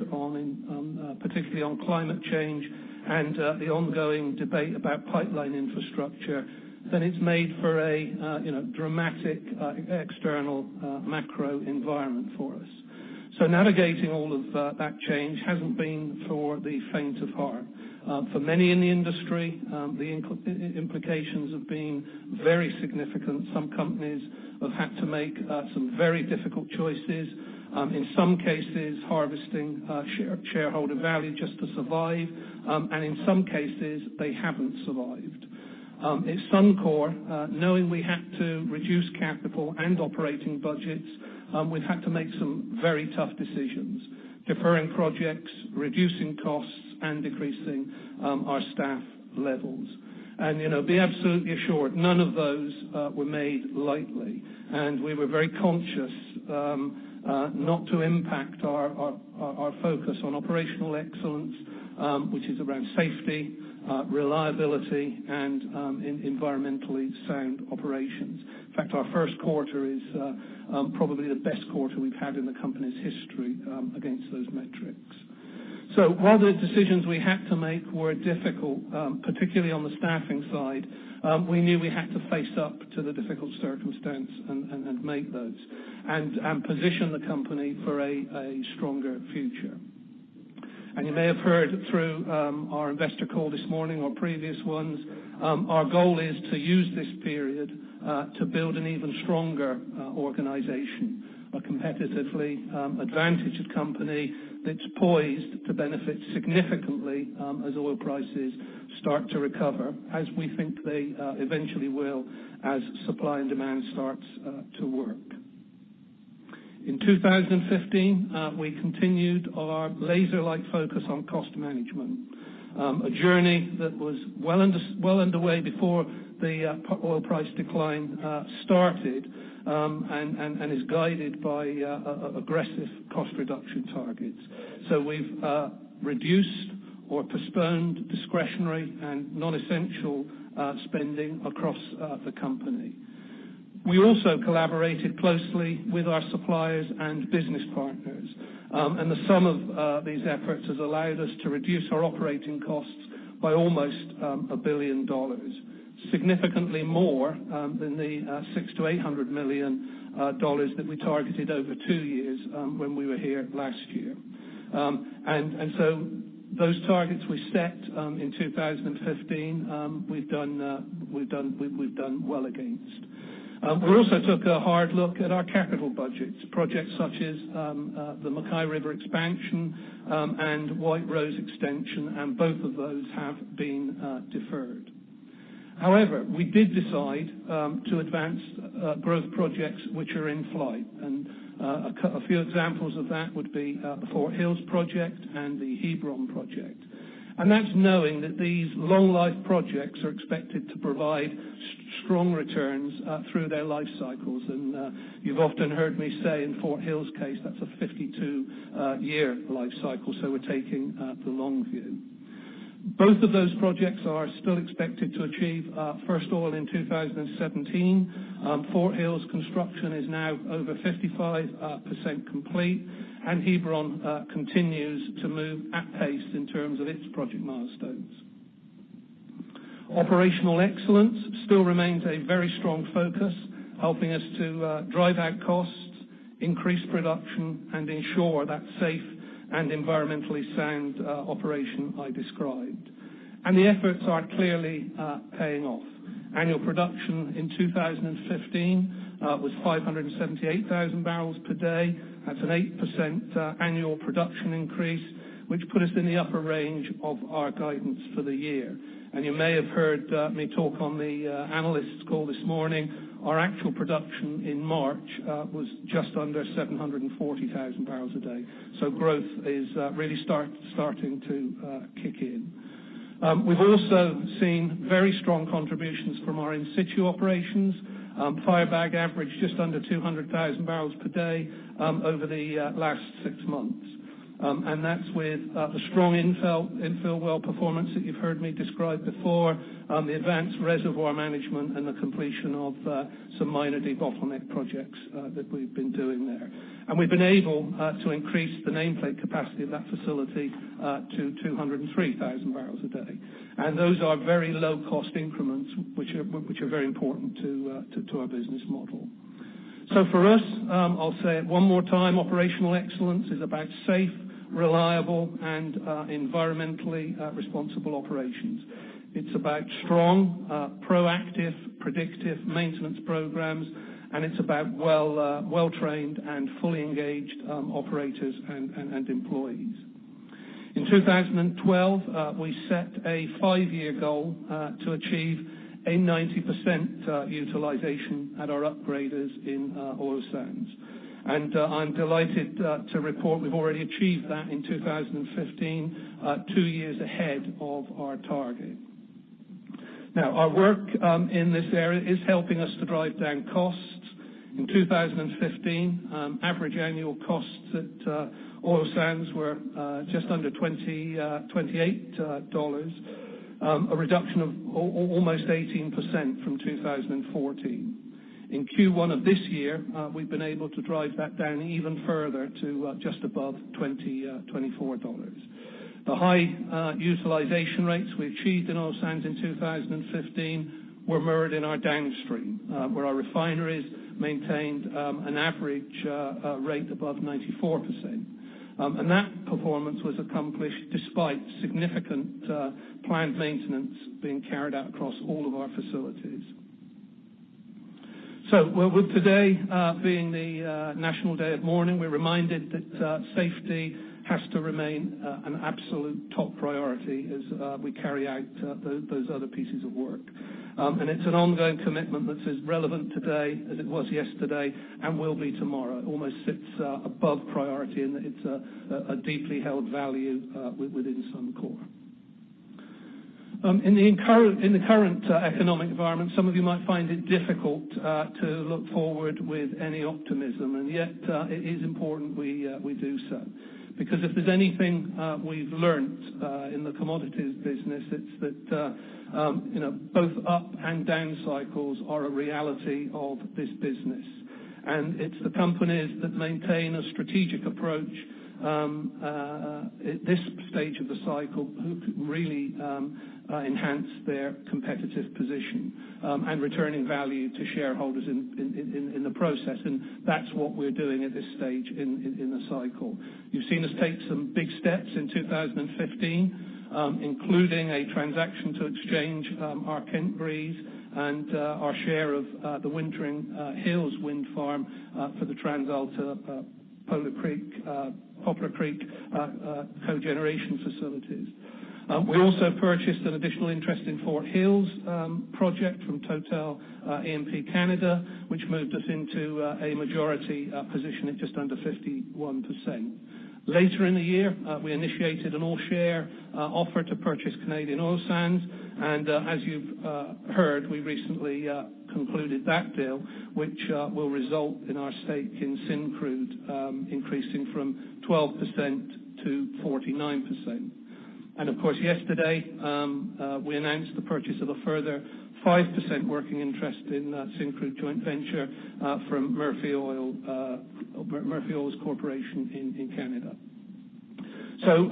Speaker 11: particularly on climate change, and the ongoing debate about pipeline infrastructure. It's made for a dramatic external macro environment for us. Navigating all of that change hasn't been for the faint of heart. For many in the industry, the implications have been very significant. Some companies have had to make some very difficult choices, in some cases, harvesting shareholder value just to survive. In some cases, they haven't survived. At Suncor, knowing we had to reduce capital and operating budgets, we've had to make some very tough decisions. Deferring projects, reducing costs, and decreasing our staff levels. Be absolutely assured, none of those were made lightly. We were very conscious not to impact our focus on operational excellence, which is around safety, reliability, and environmentally sound operations. In fact, our first quarter is probably the best quarter we've had in the company's history against those metrics. While the decisions we had to make were difficult, particularly on the staffing side, we knew we had to face up to the difficult circumstance and make those, and position the company for a stronger future. You may have heard through our investor call this morning or previous ones, our goal is to use this period to build an even stronger organization, a competitively advantaged company that's poised to benefit significantly as oil prices start to recover, as we think they eventually will, as supply and demand starts to work. In 2015, we continued our laser-like focus on cost management. A journey that was well underway before the oil price decline started, and is guided by aggressive cost reduction targets. We've reduced or postponed discretionary and non-essential spending across the company. We also collaborated closely with our suppliers and business partners. The sum of these efforts has allowed us to reduce our operating costs by almost 1 billion dollars, significantly more than the 600 million-800 million dollars that we targeted over two years when we were here last year. Those targets we set in 2015, we've done well against. We also took a hard look at our capital budgets. Projects such as the MacKay River expansion and White Rose extension, both of those have been deferred. However, we did decide to advance growth projects which are in flight. A few examples of that would be Fort Hills project and the Hebron project. That's knowing that these long life projects are expected to provide strong returns through their life cycles. You've often heard me say in Fort Hills case, that's a 52-year life cycle. We're taking the long view. Both of those projects are still expected to achieve first oil in 2017. Fort Hills construction is now over 55% complete, and Hebron continues to move at pace in terms of its project milestones. Operational excellence still remains a very strong focus, helping us to drive out costs, increase production, and ensure that safe and environmentally sound operation I described. The efforts are clearly paying off. Annual production in 2015 was 578,000 barrels per day. That's an 8% annual production increase, which put us in the upper range of our guidance for the year. You may have heard me talk on the analyst call this morning, our actual production in March was just under 740,000 barrels a day. Growth is really starting to kick in. We've also seen very strong contributions from our in situ operations. Firebag averaged just under 200,000 barrels per day over the last six months. That's with the strong infill well performance that you've heard me describe before, the advanced reservoir management, and the completion of some minor debottleneck projects that we've been doing there. We've been able to increase the nameplate capacity of that facility to 203,000 barrels a day. Those are very low-cost increments, which are very important to our business model. For us, I'll say it one more time, operational excellence is about safe, reliable, and environmentally responsible operations. It's about strong, proactive, predictive maintenance programs. It's about well-trained and fully engaged operators and employees. In 2012, we set a five-year goal to achieve a 90% utilization at our upgraders in Oil Sands. I'm delighted to report we've already achieved that in 2015, two years ahead of our target. Our work in this area is helping us to drive down costs. In 2015, average annual costs at Oil Sands were just under 28 dollars, a reduction of almost 18% from 2014. In Q1 of this year, we've been able to drive that down even further to just above 24 dollars. The high utilization rates we achieved in Oil Sands in 2015 were mirrored in our downstream, where our refineries maintained an average rate above 94%. That performance was accomplished despite significant planned maintenance being carried out across all of our facilities. With today being the National Day of Mourning, we're reminded that safety has to remain an absolute top priority as we carry out those other pieces of work. It's an ongoing commitment that's as relevant today as it was yesterday and will be tomorrow. Almost sits above priority, and it's a deeply held value within Suncor. In the current economic environment, some of you might find it difficult to look forward with any optimism. Yet, it is important we do so, because if there's anything we've learnt in the commodities business, it's that both up and down cycles are a reality of this business. It's the companies that maintain a strategic approach at this stage of the cycle who can really enhance their competitive position and returning value to shareholders in the process. That's what we're doing at this stage in the cycle. You've seen us take some big steps in 2015, including a transaction to exchange our Kent Breeze and our share of the Wintering Hills Wind Farm for the TransAlta Poplar Creek co-generation facilities. We also purchased an additional interest in Fort Hills project from Total E&P Canada, which moved us into a majority position at just under 51%. Later in the year, Suncor initiated an all-share offer to purchase Canadian Oil Sands. As you've heard, we recently concluded that deal, which will result in our stake in Syncrude increasing from 12% to 49%. Yesterday, we announced the purchase of a further 5% working interest in that Syncrude joint venture from Murphy Oil Corporation in Canada.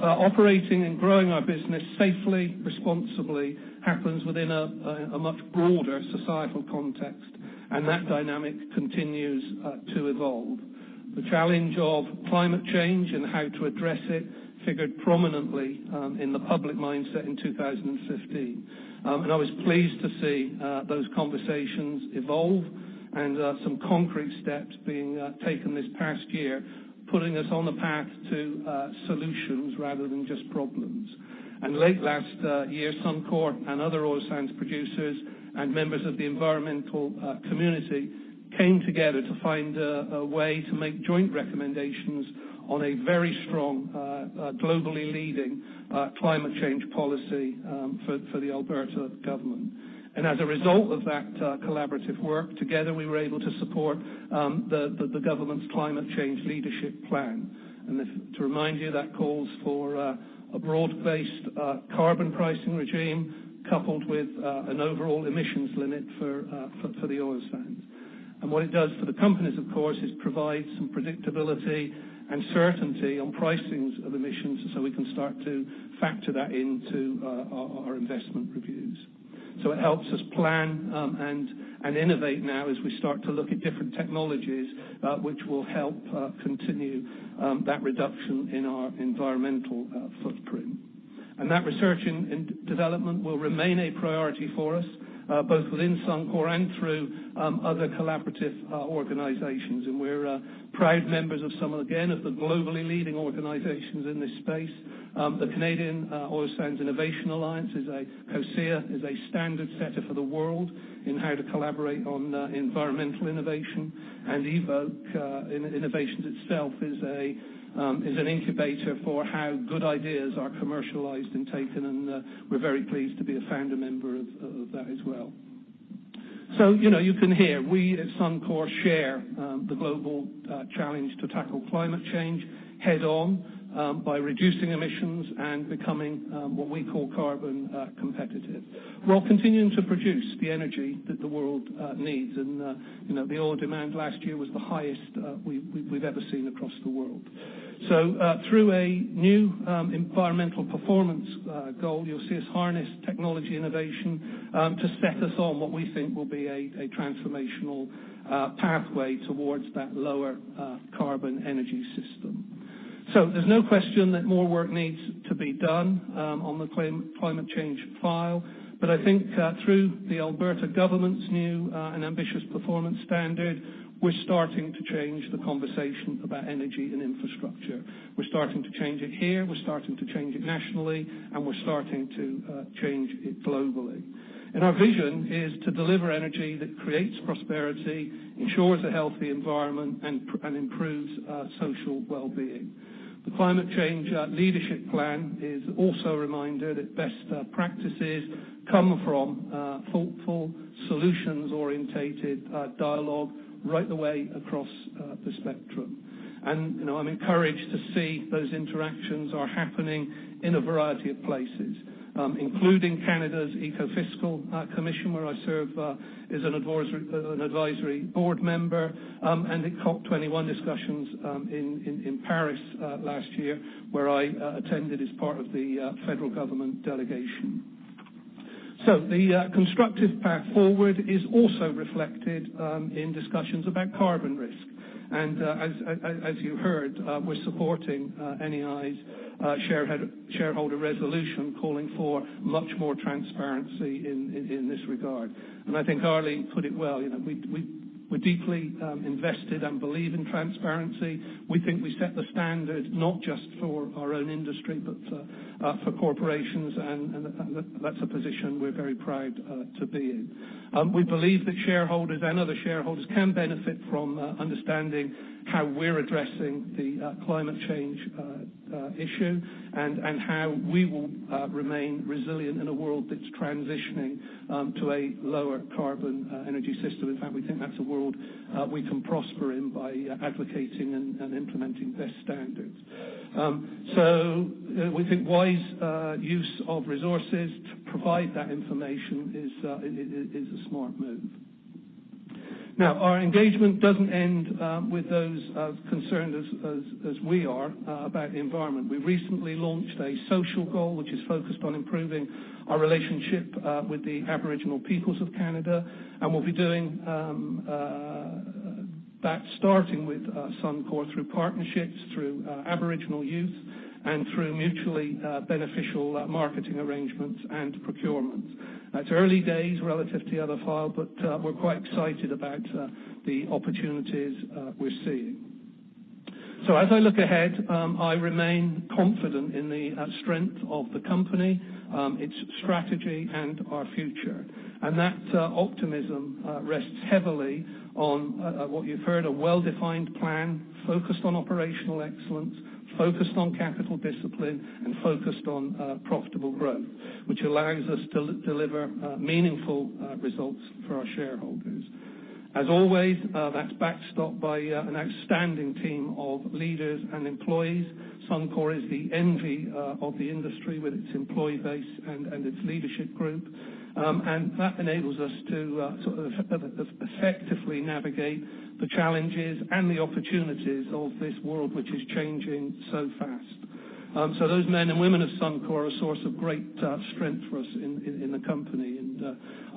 Speaker 11: Operating and growing our business safely, responsibly, happens within a much broader societal context, and that dynamic continues to evolve. The challenge of climate change and how to address it figured prominently in the public mindset in 2015. I was pleased to see those conversations evolve and some concrete steps being taken this past year, putting us on the path to solutions rather than just problems. Late last year, Suncor and other oil sands producers and members of the environmental community came together to find a way to make joint recommendations on a very strong, globally leading climate change policy for the Alberta government. As a result of that collaborative work, together, we were able to support the government's Climate Change Leadership Plan. To remind you, that calls for a broad-based carbon pricing regime coupled with an overall emissions limit for the oil sands. What it does for the companies, of course, is provide some predictability and certainty on pricings of emissions so we can start to factor that into our investment reviews. It helps us plan and innovate now as we start to look at different technologies, which will help continue that reduction in our environmental footprint. That research and development will remain a priority for us, both within Suncor and through other collaborative organizations. We're proud members of some, again, of the globally leading organizations in this space. The Canada's Oil Sands Innovation Alliance, COSIA, is a standard setter for the world in how to collaborate on environmental innovation. Evok Innovations itself is an incubator for how good ideas are commercialized and taken, and we're very pleased to be a founder member of that as well. You can hear, we at Suncor share the global challenge to tackle climate change head on by reducing emissions and becoming what we call carbon competitive. We're continuing to produce the energy that the world needs, the oil demand last year was the highest we've ever seen across the world. Through a new environmental performance goal, you'll see us harness technology innovation to set us on what we think will be a transformational pathway towards that lower carbon energy system. There's no question that more work needs to be done on the climate change file. I think through the Alberta government's new and ambitious performance standard, we're starting to change the conversation about energy and infrastructure. We're starting to change it here, we're starting to change it nationally, and we're starting to change it globally. Our vision is to deliver energy that creates prosperity, ensures a healthy environment, and improves social wellbeing. The Climate Change Leadership Plan is also a reminder that best practices come from thoughtful, solutions-orientated dialogue right the way across the spectrum. I'm encouraged to see those interactions are happening in a variety of places, including Canada's Ecofiscal Commission, where I serve as an advisory board member, and at COP21 discussions in Paris last year, where I attended as part of the federal government delegation. The constructive path forward is also reflected in discussions about carbon risk. As you heard, we're supporting NEI's shareholder resolution, calling for much more transparency in this regard. I think Arlene put it well, we're deeply invested and believe in transparency. We think we set the standard not just for our own industry, but for corporations, and that's a position we're very proud to be in. We believe that shareholders and other shareholders can benefit from understanding how we're addressing the climate change issue and how we will remain resilient in a world that's transitioning to a lower carbon energy system. In fact, we think that's a world we can prosper in by advocating and implementing best standards. We think wise use of resources to provide that information is a smart move. Now, our engagement doesn't end with those as concerned as we are about the environment. We recently launched a social goal, which is focused on improving our relationship with the Aboriginal peoples of Canada, and we'll be doing that starting with Suncor through partnerships, through Aboriginal youth, and through mutually beneficial marketing arrangements and procurements. It's early days relative to the other file, but we're quite excited about the opportunities we're seeing. As I look ahead, I remain confident in the strength of the company, its strategy, and our future. That optimism rests heavily on what you've heard, a well-defined plan focused on operational excellence, focused on capital discipline, and focused on profitable growth, which allows us to deliver meaningful results for our shareholders. As always, that's backstopped by an outstanding team of leaders and employees. Suncor is the envy of the industry with its employee base and its leadership group. That enables us to effectively navigate the challenges and the opportunities of this world, which is changing so fast. Those men and women of Suncor are a source of great strength for us in the company.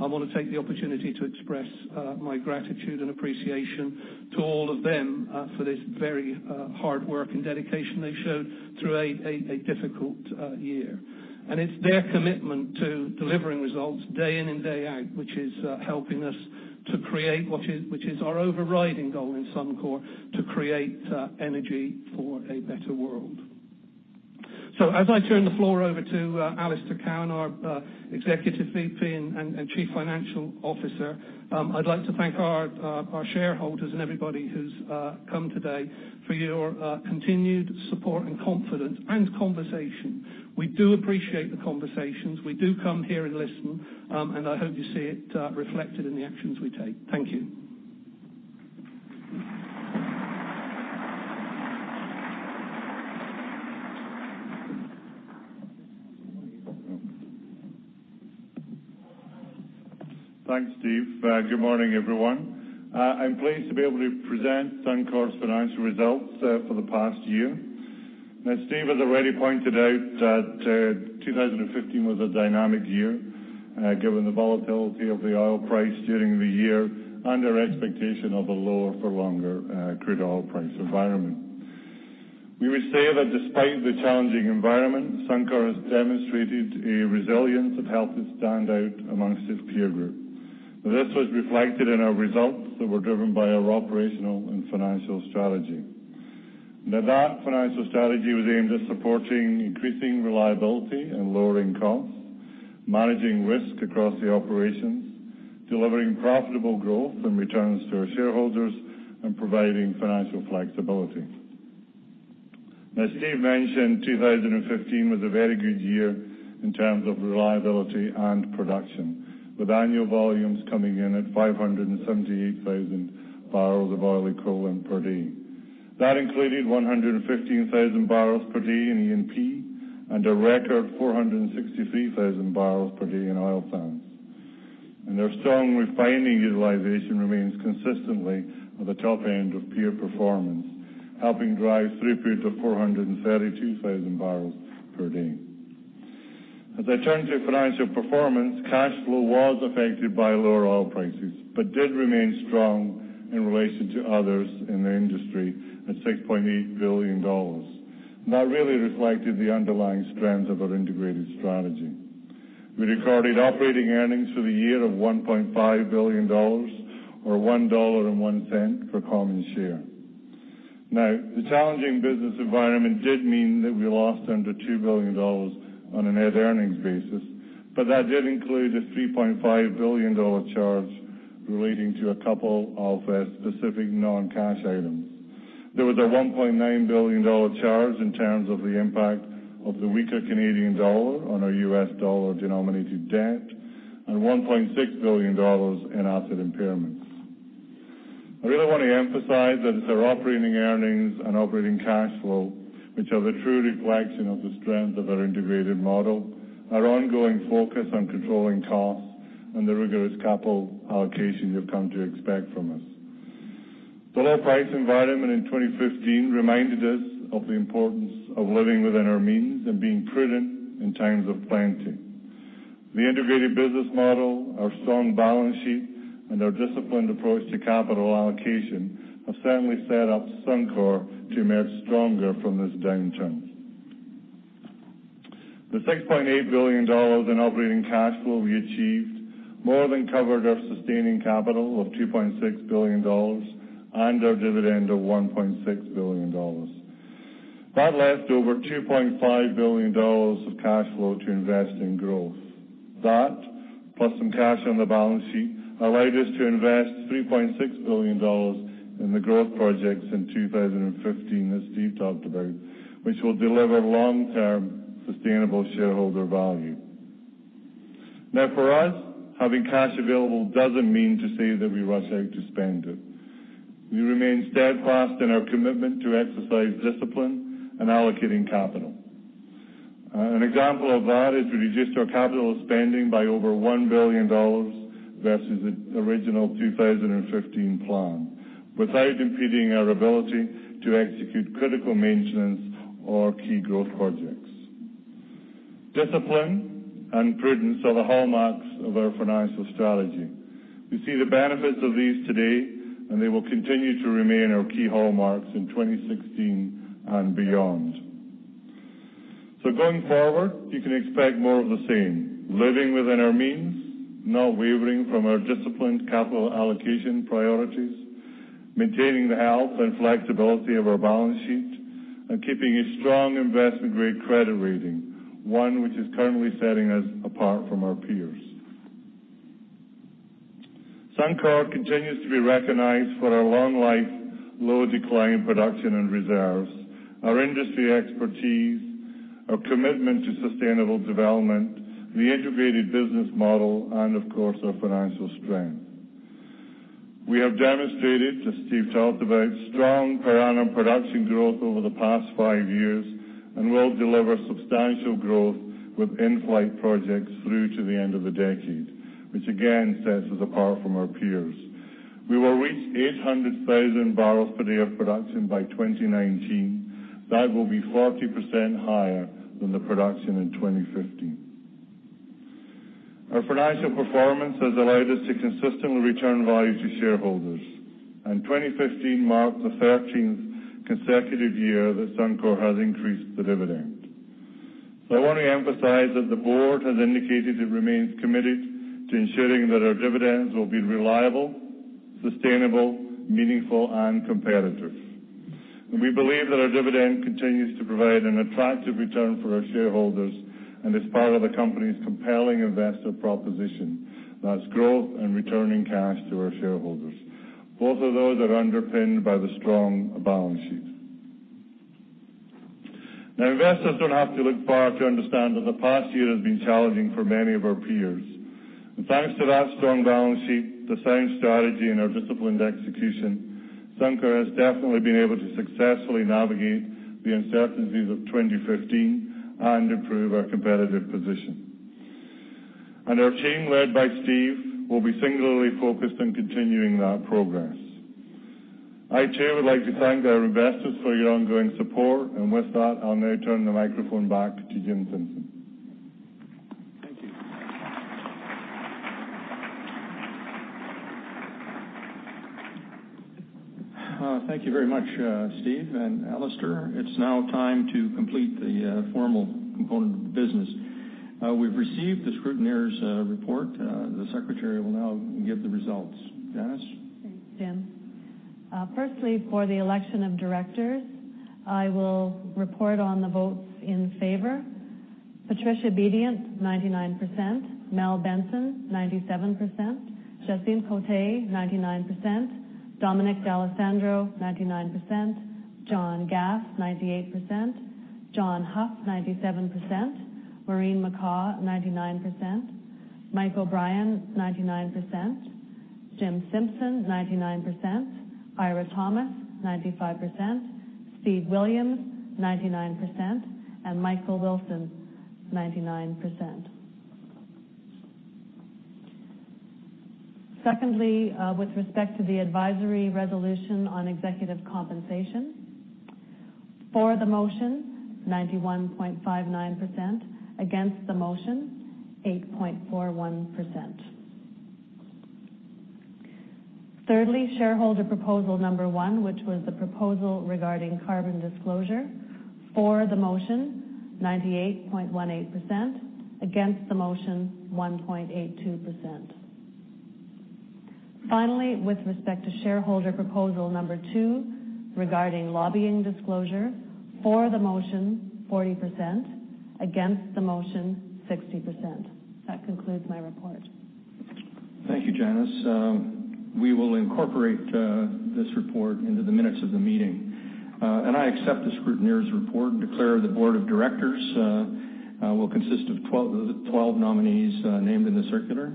Speaker 11: I want to take the opportunity to express my gratitude and appreciation to all of them for this very hard work and dedication they've showed through a difficult year. It's their commitment to delivering results day in and day out, which is helping us to create what is our overriding goal in Suncor, to create energy for a better world. As I turn the floor over to Alister Cowan, our Executive VP and Chief Financial Officer, I'd like to thank our shareholders and everybody who's come today for your continued support and confidence and conversation. We do appreciate the conversations. We do come here and listen, and I hope you see it reflected in the actions we take. Thank you.
Speaker 12: Thanks, Steve. Good morning, everyone. I'm pleased to be able to present Suncor's financial results for the past year. Steve has already pointed out that 2015 was a dynamic year, given the volatility of the oil price during the year and our expectation of a lower for longer crude oil price environment. We would say that despite the challenging environment, Suncor has demonstrated a resilience that helped it stand out amongst its peer group. This was reflected in our results that were driven by our operational and financial strategy. That financial strategy was aimed at supporting increasing reliability and lowering costs, managing risk across the operations, delivering profitable growth and returns to our shareholders, and providing financial flexibility. As Steve mentioned, 2015 was a very good year in terms of reliability and production, with annual volumes coming in at 578,000 barrels of oil equivalent per day. That included 115,000 barrels per day in E&P and a record 463,000 barrels per day in Oil Sands. Our strong refining utilization remains consistently at the top end of peer performance, helping drive throughput of 432,000 barrels per day. As I turn to financial performance, cash flow was affected by lower oil prices, but did remain strong in relation to others in the industry at 6.8 billion dollars. That really reflected the underlying strength of our integrated strategy. We recorded operating earnings for the year of 1.5 billion dollars or 1.01 dollar for common share. The challenging business environment did mean that we lost under 2 billion dollars on a net earnings basis, but that did include a 3.5 billion dollar charge relating to a couple of specific non-cash items. There was a 1.9 billion dollar charge in terms of the impact of the weaker Canadian dollar on our US dollar-denominated debt and CAD 1.6 billion in asset impairments. I really want to emphasize that it's our operating earnings and operating cash flow, which are the true reflection of the strength of our integrated model, our ongoing focus on controlling costs, and the rigorous capital allocations you've come to expect from us. The low price environment in 2015 reminded us of the importance of living within our means and being prudent in times of plenty. The integrated business model, our strong balance sheet, and our disciplined approach to capital allocation have certainly set up Suncor to emerge stronger from this downturn. The 6.8 billion dollars in operating cash flow we achieved more than covered our sustaining capital of 2.6 billion dollars and our dividend of 1.6 billion dollars. That left over 2.5 billion dollars of cash flow to invest in growth. That, plus some cash on the balance sheet, allowed us to invest 3.6 billion dollars in the growth projects in 2015, as Steve talked about, which will deliver long-term sustainable shareholder value. For us, having cash available doesn't mean to say that we rush out to spend it. We remain steadfast in our commitment to exercise discipline in allocating capital. An example of that is we reduced our capital spending by over 1 billion dollars versus the original 2015 plan without impeding our ability to execute critical maintenance or key growth projects. Discipline and prudence are the hallmarks of our financial strategy. We see the benefits of these today, they will continue to remain our key hallmarks in 2016 and beyond. Going forward, you can expect more of the same, living within our means, not wavering from our disciplined capital allocation priorities, maintaining the health and flexibility of our balance sheet, and keeping a strong investment-grade credit rating, one which is currently setting us apart from our peers. Suncor continues to be recognized for our long life, low decline production and reserves, our industry expertise, our commitment to sustainable development, the integrated business model, and of course, our financial strength. We have demonstrated, as Steve talked about, strong per annum production growth over the past five years and will deliver substantial growth with in-flight projects through to the end of the decade, which again sets us apart from our peers. We will reach 800,000 barrels per day of production by 2019. That will be 40% higher than the production in 2015. Our financial performance has allowed us to consistently return value to shareholders. 2015 marked the 13th consecutive year that Suncor has increased the dividend. I want to emphasize that the board has indicated it remains committed to ensuring that our dividends will be reliable, sustainable, meaningful, and competitive. We believe that our dividend continues to provide an attractive return for our shareholders and is part of the company's compelling investor proposition. That's growth and returning cash to our shareholders. Both of those are underpinned by the strong balance sheet. Investors don't have to look far to understand that the past year has been challenging for many of our peers. Thanks to that strong balance sheet, the same strategy, and our disciplined execution, Suncor has definitely been able to successfully navigate the uncertainties of 2015 and improve our competitive position. Our team, led by Steve, will be singularly focused on continuing that progress. I, too, would like to thank our investors for your ongoing support. With that, I'll now turn the microphone back to Jim Simpson.
Speaker 1: Thank you. Thank you very much, Steve and Alister. It's now time to complete the formal component of the business. We've received the scrutineer's report. The secretary will now give the results. Janice?
Speaker 2: Thanks, Jim. Firstly, for the election of directors, I will report on the votes in favor. Patricia Bedient, 99%, Mel Benson, 97%, Jacynthe Côté, 99%, Dominic D'Alessandro, 99%, John Gass, 98%, John Huff, 97%, Maureen McCaw, 99%, Mike O'Brien, 99%, Jim Simpson, 99%, Eira Thomas, 95%, Steve Williams, 99%, and Michael Wilson, 99%. Secondly, with respect to the advisory resolution on executive compensation. For the motion, 91.59%. Against the motion, 8.41%. Thirdly, shareholder proposal number one, which was the proposal regarding carbon disclosure. For the motion, 98.18%. Against the motion, 1.82%. Finally, with respect to shareholder proposal number two regarding lobbying disclosure. For the motion, 40%. Against the motion, 60%. That concludes my report.
Speaker 1: Thank you, Janice. We will incorporate this report into the minutes of the meeting. I accept the scrutineer's report and declare the board of directors will consist of 12 nominees named in the circular.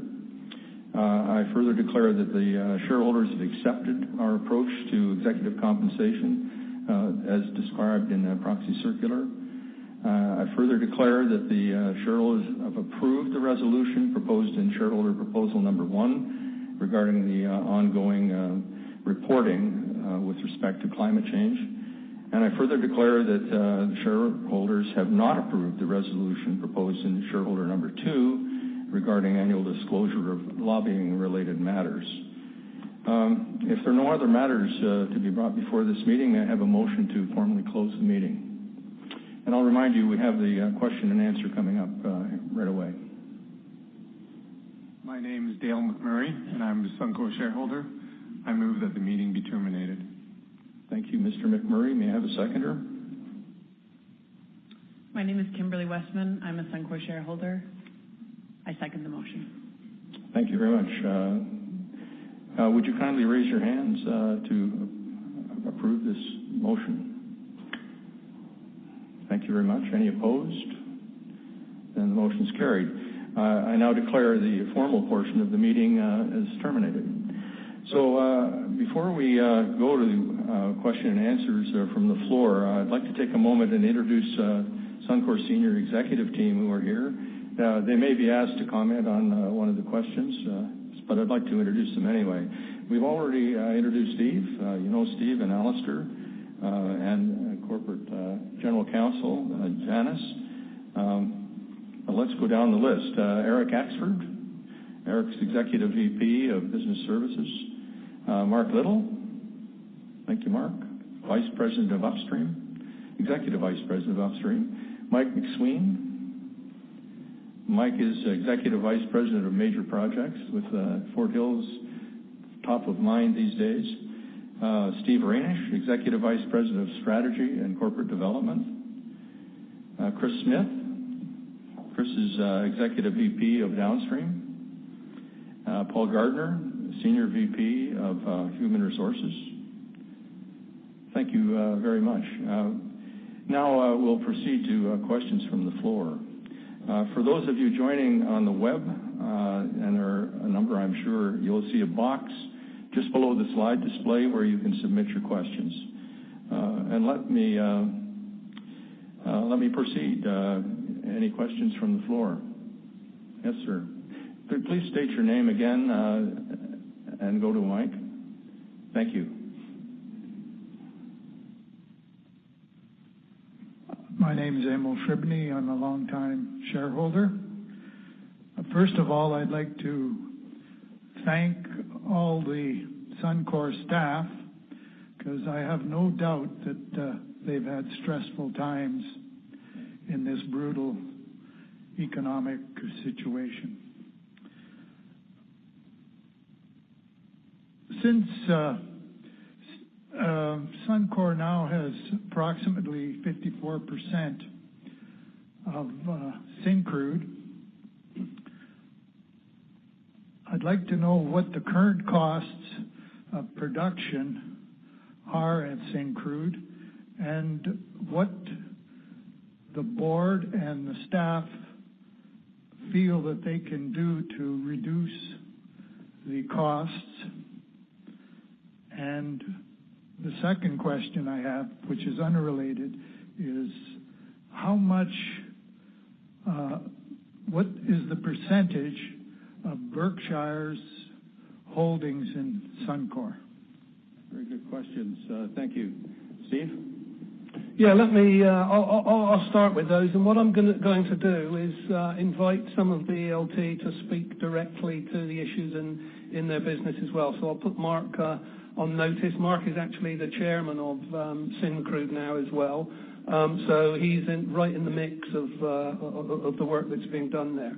Speaker 1: I further declare that the shareholders have accepted our approach to executive compensation as described in the proxy circular. I further declare that the shareholders have approved the resolution proposed in shareholder proposal number 1 regarding the ongoing reporting with respect to climate change. I further declare that the shareholders have not approved the resolution proposed in shareholder number 2 regarding annual disclosure of lobbying-related matters. If there are no other matters to be brought before this meeting, may I have a motion to formally close the meeting? I'll remind you, we have the question and answer coming up right away.
Speaker 13: My name is Dale McMurray, and I'm a Suncor shareholder. I move that the meeting be terminated.
Speaker 1: Thank you, Mr. McMurray. May I have a seconder?
Speaker 14: My name is Kimberly Westman. I'm a Suncor shareholder. I second the motion.
Speaker 1: Thank you very much. Would you kindly raise your hands to approve this motion? Thank you very much. Any opposed? Then the motion's carried. I now declare the formal portion of the meeting is terminated. Before we go to the question and answers from the floor, I'd like to take a moment and introduce Suncor's senior executive team who are here. They may be asked to comment on one of the questions, but I'd like to introduce them anyway. We've already introduced Steve. You know Steve and Alister, and Corporate General Counsel, Janice. Let's go down the list. Eric Axford. Eric's Executive VP of Business Services. Mark Little. Thank you, Mark, Executive Vice President of Upstream. Mike MacSween. Mike is Executive Vice President of Major Projects with Fort Hills top of mind these days. Steve Reynish, Executive Vice President of Strategy and Corporate Development. Kris Smith. Kris is Executive VP of Downstream. Paul Gardner, Senior VP of Human Resources. Thank you very much. Now we'll proceed to questions from the floor. For those of you joining on the web, and there are a number, I'm sure, you'll see a box just below the slide display where you can submit your questions. Let me proceed. Any questions from the floor? Yes, sir. Could you please state your name again and go to mic? Thank you.
Speaker 15: My name is Emil Fribony. I'm a longtime shareholder. First of all, I'd like to thank all the Suncor staff because I have no doubt that they've had stressful times in this brutal economic situation. Since Suncor now has approximately 54% of Syncrude, I'd like to know what the current costs of production are at Syncrude and what the board and the staff feel that they can do to reduce the costs. The second question I have, which is unrelated, is what is the percentage of Berkshire's holdings in Suncor?
Speaker 1: Very good questions. Thank you. Steve?
Speaker 11: I'll start with those. What I'm going to do is invite some of the ELT to speak directly to the issues in their business as well. I'll put Mark on notice. Mark is actually the chairman of Syncrude now as well. He's right in the mix of the work that's being done there.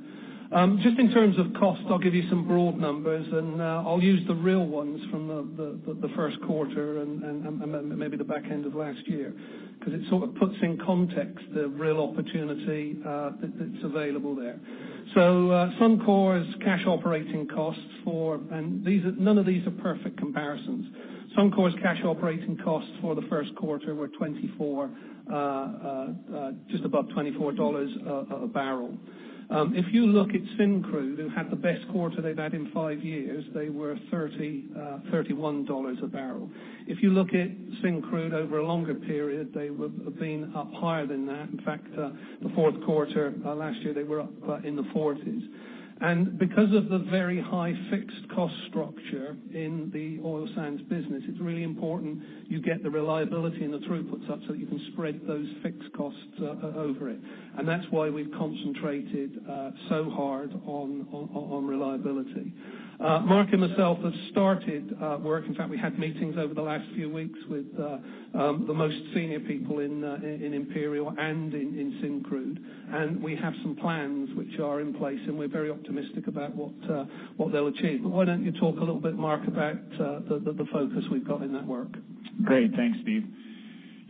Speaker 11: Just in terms of cost, I'll give you some broad numbers, and I'll use the real ones from the first quarter and maybe the back end of last year, because it sort of puts in context the real opportunity that's available there. Suncor's cash operating costs for the first quarter were just above 24 dollars a barrel. If you look at Syncrude, who had the best quarter they've had in five years, they were 31 dollars a barrel. You look at Syncrude over a longer period, they would have been up higher than that. In fact, the fourth quarter last year, they were up in the 40s. Because of the very high fixed cost structure in the oil sands business, it's really important you get the reliability and the throughputs up so that you can spread those fixed costs over it. That's why we've concentrated so hard on reliability. Mark and myself have started work. In fact, we had meetings over the last few weeks with the most senior people in Imperial and in Syncrude, and we have some plans which are in place, and we're very optimistic about what they'll achieve. Why don't you talk a little bit, Mark, about the focus we've got in that work?
Speaker 16: Great. Thanks, Steve.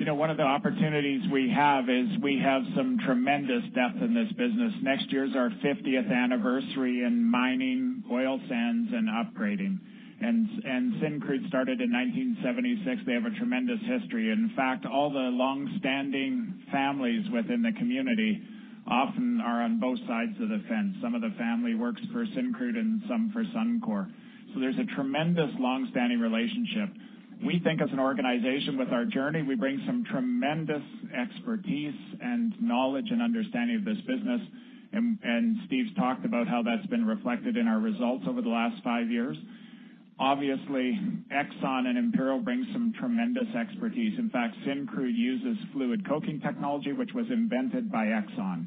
Speaker 16: One of the opportunities we have is we have some tremendous depth in this business. Next year is our 50th anniversary in mining oil sands and upgrading. Syncrude started in 1976. They have a tremendous history. In fact, all the longstanding families within the community often are on both sides of the fence. Some of the family works for Syncrude and some for Suncor. There's a tremendous longstanding relationship. We think as an organization with our journey, we bring some tremendous expertise and knowledge and understanding of this business. Steve's talked about how that's been reflected in our results over the last five years. Exxon and Imperial bring some tremendous expertise. In fact, Syncrude uses Fluid Coking technology, which was invented by Exxon.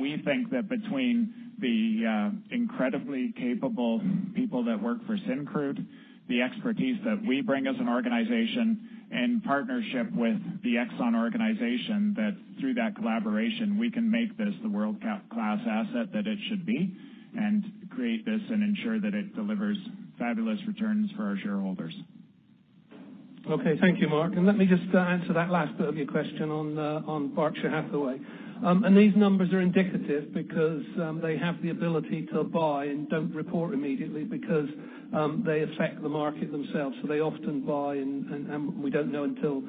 Speaker 16: We think that between the incredibly capable people that work for Syncrude, the expertise that we bring as an organization in partnership with the Exxon organization, that through that collaboration, we can make this the world-class asset that it should be, and create this and ensure that it delivers fabulous returns for our shareholders.
Speaker 11: Okay. Thank you, Mark. Let me just answer that last bit of your question on Berkshire Hathaway. These numbers are indicative because they have the ability to buy and don't report immediately because they affect the market themselves. They often buy, and we don't know until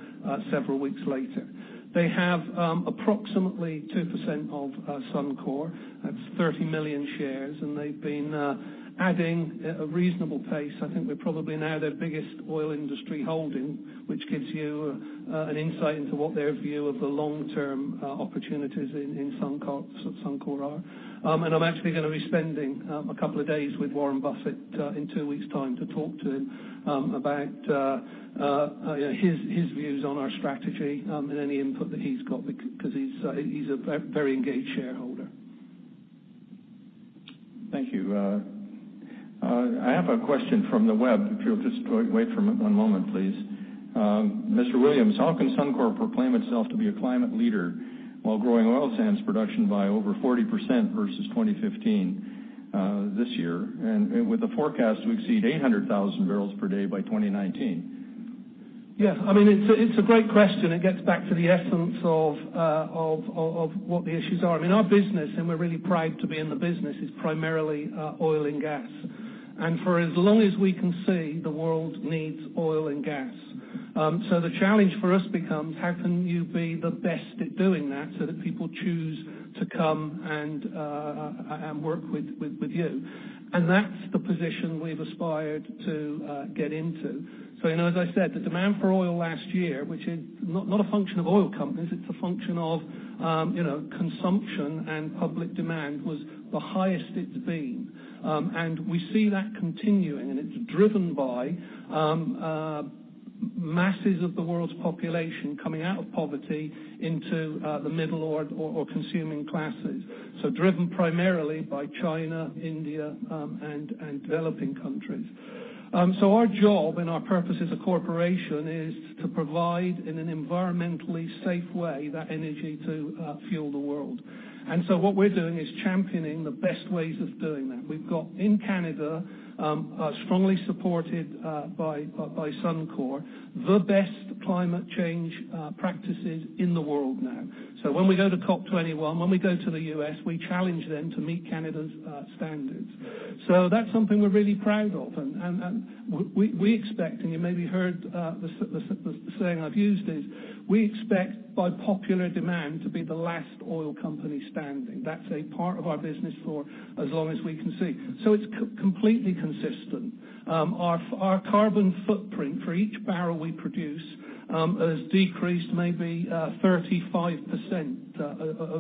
Speaker 11: several weeks later. They have approximately 2% of Suncor. That's 30 million shares, and they've been adding at a reasonable pace. I think we're probably now their biggest oil industry holding, which gives you an insight into what their view of the long-term opportunities in Suncor are. I'm actually going to be spending a couple of days with Warren Buffett in two weeks' time to talk to him about his views on our strategy and any input that he's got because he's a very engaged shareholder.
Speaker 1: Thank you. I have a question from the web, if you'll just wait for one moment, please. Mr. Williams, how can Suncor proclaim itself to be a climate leader while growing oil sands production by over 40% versus 2015 this year, and with a forecast to exceed 800,000 barrels per day by 2019?
Speaker 11: Yeah. It's a great question. It gets back to the essence of what the issues are. Our business, and we're really proud to be in the business, is primarily oil and gas. For as long as we can see, the world needs oil and gas. The challenge for us becomes how can you be the best at doing that so that people choose to come and work with you? That's the position we've aspired to get into. As I said, the demand for oil last year, which is not a function of oil companies, it's a function of consumption and public demand, was the highest it's been. We see that continuing, and it's driven by masses of the world's population coming out of poverty into the middle or consuming classes. Driven primarily by China, India, and developing countries. Our job and our purpose as a corporation is to provide, in an environmentally safe way, that energy to fuel the world. What we're doing is championing the best ways of doing that. We've got in Canada, strongly supported by Suncor, the best climate change practices in the world now. When we go to COP 21, when we go to the U.S., we challenge them to meet Canada's standards. That's something we're really proud of. We expect, and you maybe heard the saying I've used is, we expect by popular demand to be the last oil company standing. That's a part of our business for as long as we can see. It's completely consistent. Our carbon footprint for each barrel we produce has decreased maybe 35%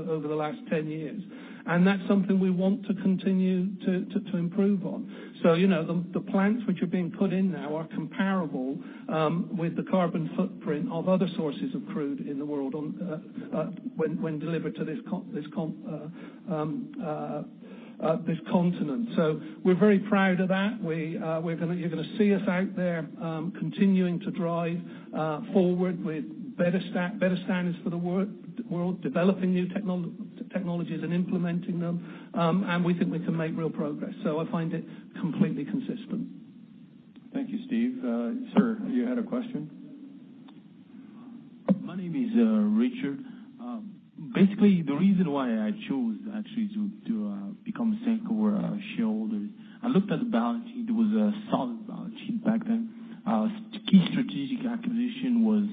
Speaker 11: over the last 10 years, and that's something we want to continue to improve on. The plants which are being put in now are comparable with the carbon footprint of other sources of crude in the world when delivered to this continent. We're very proud of that. You're going to see us out there continuing to drive forward with better standards for the world, developing new technologies and implementing them. We think we can make real progress. I find it completely consistent.
Speaker 1: Thank you, Steve. Sir, you had a question?
Speaker 3: My name is Richard. The reason why I chose actually to become a Suncor shareholder, I looked at the balance sheet. It was a solid balance sheet back then. Key strategic acquisition was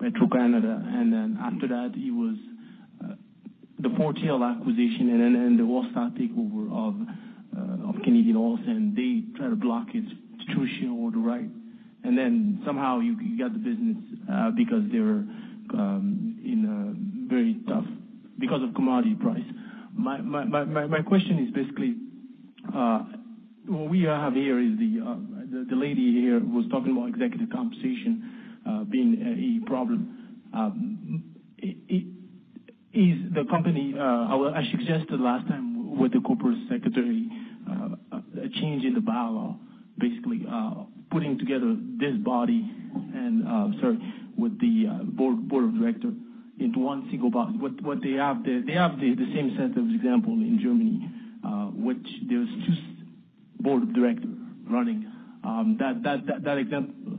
Speaker 3: Petro-Canada, after that, it was the [poor tail] acquisition and the hostile takeover of Canadian Oil. They tried to block its tuition or the right. Somehow you got the business because of commodity price. My question is, what we have here is the lady here was talking about executive compensation being a problem. I suggested last time with the corporate secretary a change in the bylaw, putting together this body with the Board of Directors into one single body. They have the same set of example in Germany, which there's two- Board of director running. That example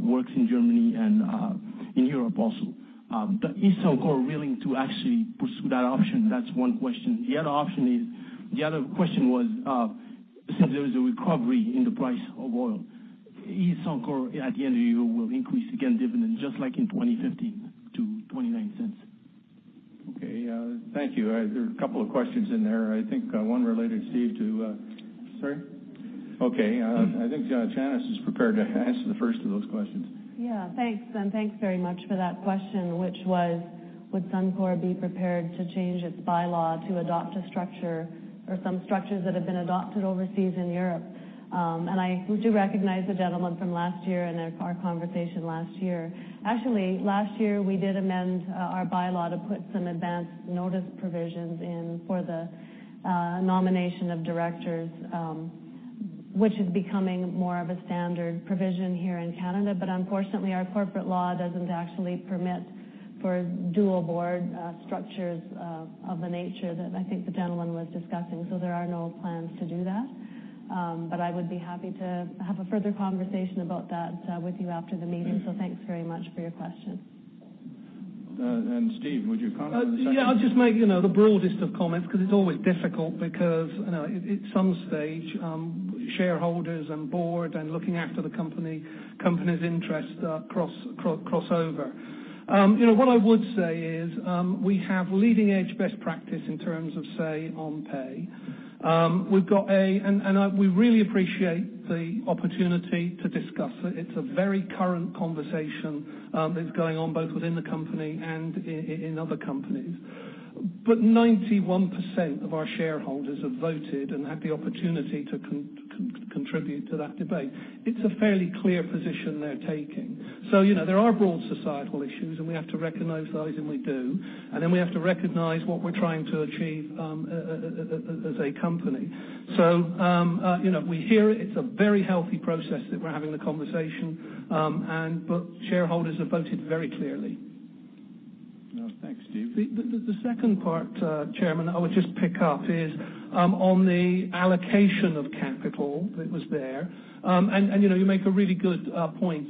Speaker 3: works in Germany and in Europe also. Is Suncor willing to actually pursue that option? That's one question. The other question was, since there is a recovery in the price of oil, is Suncor, at the end of the year, will increase again dividend, just like in 2015 to 0.29?
Speaker 1: Okay. Thank you. There are a couple of questions in there. I think one related, Steve, to Sorry? Okay. I think Janice is prepared to answer the first of those questions.
Speaker 2: Yeah. Thanks, thanks very much for that question, which was, would Suncor be prepared to change its bylaw to adopt a structure or some structures that have been adopted overseas in Europe? I do recognize the gentleman from last year and our conversation last year. Actually, last year, we did amend our bylaw to put some advance notice provisions in for the nomination of directors, which is becoming more of a standard provision here in Canada. Unfortunately, our corporate law doesn't actually permit for dual board structures of the nature that I think the gentleman was discussing. There are no plans to do that. I would be happy to have a further conversation about that with you after the meeting. Thanks very much for your question.
Speaker 1: Steve, would you comment on the second?
Speaker 11: I'll just make the broadest of comments because it's always difficult because, at some stage, shareholders and board and looking after the company's interests cross over. What I would say is we have leading-edge best practice in terms of Say on Pay. We really appreciate the opportunity to discuss it. It's a very current conversation that's going on both within the company and in other companies. 91% of our shareholders have voted and had the opportunity to contribute to that debate. It's a fairly clear position they're taking. There are broad societal issues, and we have to recognize those, and we do. We have to recognize what we're trying to achieve as a company. We hear it. It's a very healthy process that we're having the conversation, but shareholders have voted very clearly.
Speaker 1: Thanks, Steve.
Speaker 11: The second part, Chairman, I would just pick up is on the allocation of capital that was there. You make a really good point.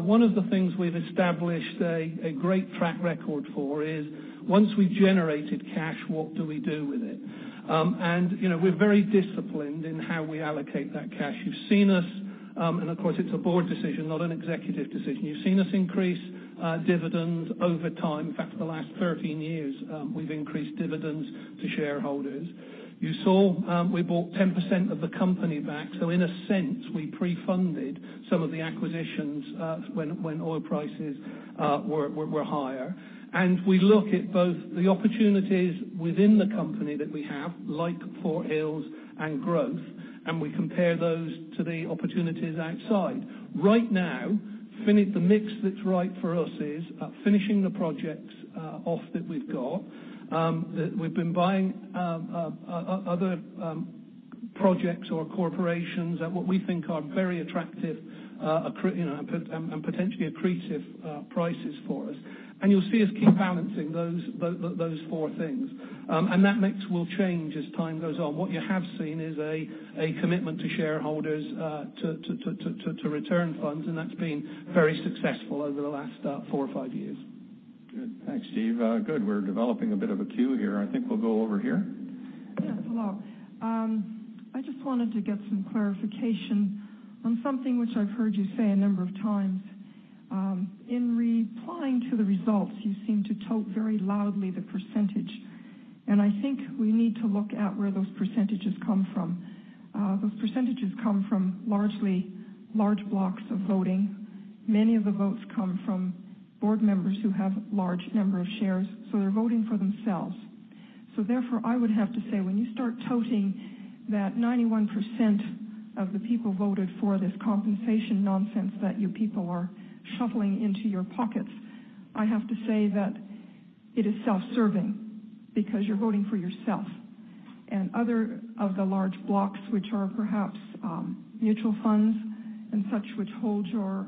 Speaker 11: One of the things we've established a great track record for is once we've generated cash, what do we do with it? We're very disciplined in how we allocate that cash. You've seen us, and of course, it's a board decision, not an executive decision. You've seen us increase dividends over time. In fact, for the last 13 years, we've increased dividends to shareholders. You saw we bought 10% of the company back, so in a sense, we pre-funded some of the acquisitions when oil prices were higher. We look at both the opportunities within the company that we have, like Fort Hills and growth, and we compare those to the opportunities outside. Right now, the mix that's right for us is finishing the projects off that we've got. We've been buying other projects or corporations at what we think are very attractive and potentially accretive prices for us. You'll see us keep balancing those four things. That mix will change as time goes on. What you have seen is a commitment to shareholders to return funds, and that's been very successful over the last four or five years.
Speaker 1: Good. Thanks, Steve. Good. We're developing a bit of a queue here. I think we'll go over here. Yes, hello. I just wanted to get some clarification on something which I've heard you say a number of times. In replying to the results, you seem to tote very loudly the percentage, and I think we need to look at where those percentages come from. Those percentages come from largely large blocks of voting. Many of the votes come from board members who have large number of shares, so they're voting for themselves. Therefore, I would have to say, when you start toting that 91% of the people voted for this compensation nonsense that you people are shoveling into your pockets, I have to say that it is self-serving because you're voting for yourself and other of the large blocks, which are perhaps mutual funds and such, which hold your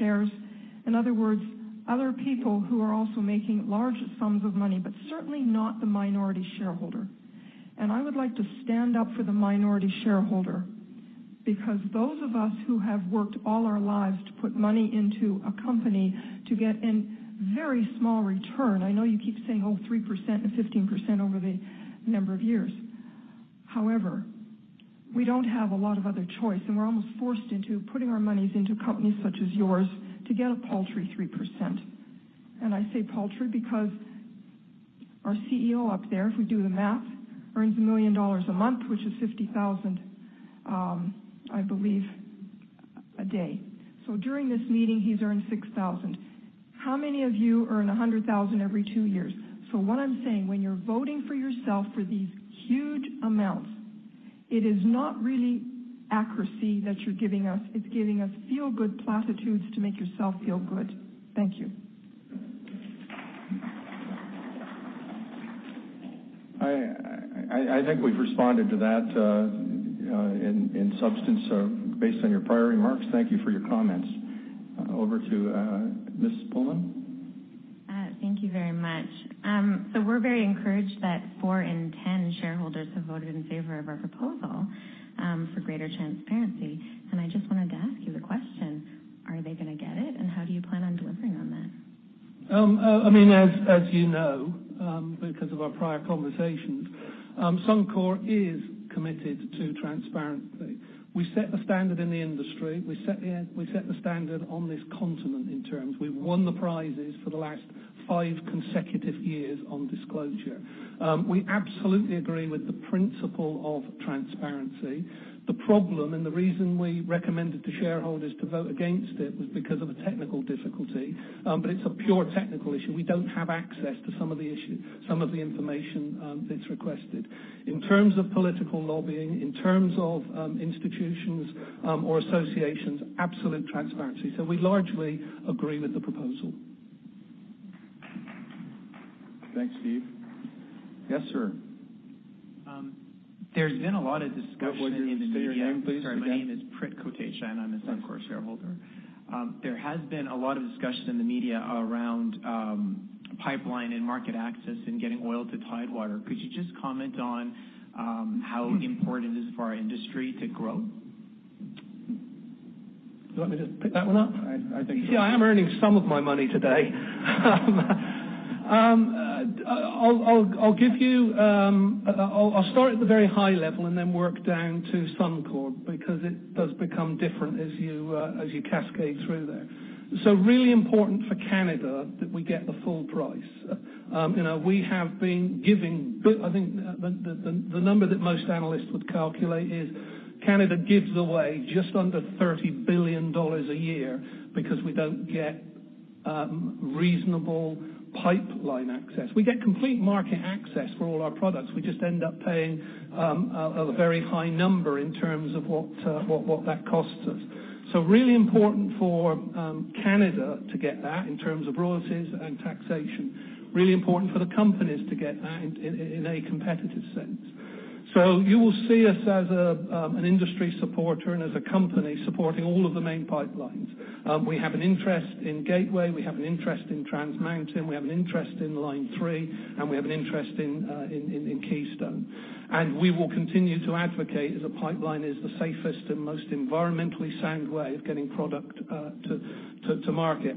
Speaker 1: shares. In other words, other people who are also making large sums of money, certainly not the minority shareholder. I would like to stand up for the minority shareholder because those of us who have worked all our lives to put money into a company to get a very small return. I know you keep saying, oh, 3% and 15% over the number of years. However, we don't have a lot of other choice, and we're almost forced into putting our monies into companies such as yours to get a paltry 3%. I say paltry because our CEO up there, if we do the math, earns 1 million dollars a month, which is 50,000, I believe, a day. During this meeting, he's earned 6,000. How many of you earn 100,000 every two years? What I'm saying, when you're voting for yourself for these huge amounts, it is not really accuracy that you're giving us. It's giving us feel-good platitudes to make yourself feel good. Thank you. I think we've responded to that in substance based on your prior remarks. Thank you for your comments. Over to Ms. Pullman. Thank you very much. We're very encouraged that four in 10 shareholders have voted in favor of our proposal for greater transparency. I just wanted to ask you the question: Are they going to get it? How do you plan on delivering on that?
Speaker 11: As you know, because of our prior conversations, Suncor is committed to transparency. We set the standard in the industry. We set the standard on this continent in terms. We've won the prizes for the last five consecutive years on disclosure. We absolutely agree with the principle of transparency. The problem, the reason we recommended to shareholders to vote against it, was because of a technical difficulty. It's a pure technical issue. We don't have access to some of the information that's requested. In terms of political lobbying, in terms of institutions or associations, absolute transparency. We largely agree with the proposal.
Speaker 1: Thanks, Steve. Yes, sir.
Speaker 3: There's been a lot of discussion in the media
Speaker 1: Say your name please, again?
Speaker 3: Sorry, my name is Prit Kotesha, and I'm a Suncor shareholder. There has been a lot of discussion in the media around pipeline and market access in getting oil to Tidewater. Could you just comment on how important it is for our industry to grow?
Speaker 11: Do you want me to just pick that one up?
Speaker 1: I think so.
Speaker 11: I am earning some of my money today. I'll start at the very high level and then work down to Suncor, because it does become different as you cascade through there. Really important for Canada that we get the full price. We have been giving, I think, the number that most analysts would calculate is Canada gives away just under 30 billion dollars a year because we don't get reasonable pipeline access. We get complete market access for all our products. We just end up paying a very high number in terms of what that costs us. Really important for Canada to get that in terms of royalties and taxation. Really important for the companies to get that in a competitive sense. You will see us as an industry supporter and as a company supporting all of the main pipelines. We have an interest in Gateway, we have an interest in Trans Mountain, we have an interest in Line 3, and we have an interest in Keystone. We will continue to advocate as a pipeline is the safest and most environmentally sound way of getting product to market.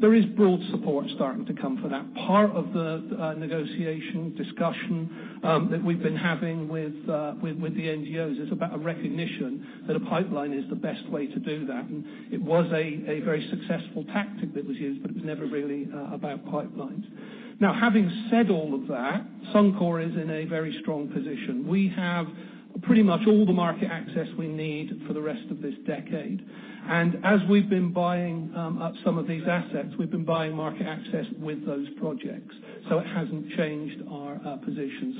Speaker 11: There is broad support starting to come for that. Part of the negotiation discussion that we've been having with the NGOs is about a recognition that a pipeline is the best way to do that. It was a very successful tactic that was used, but it was never really about pipelines. Having said all of that, Suncor is in a very strong position. We have pretty much all the market access we need for the rest of this decade. As we've been buying up some of these assets, we've been buying market access with those projects. It hasn't changed our position.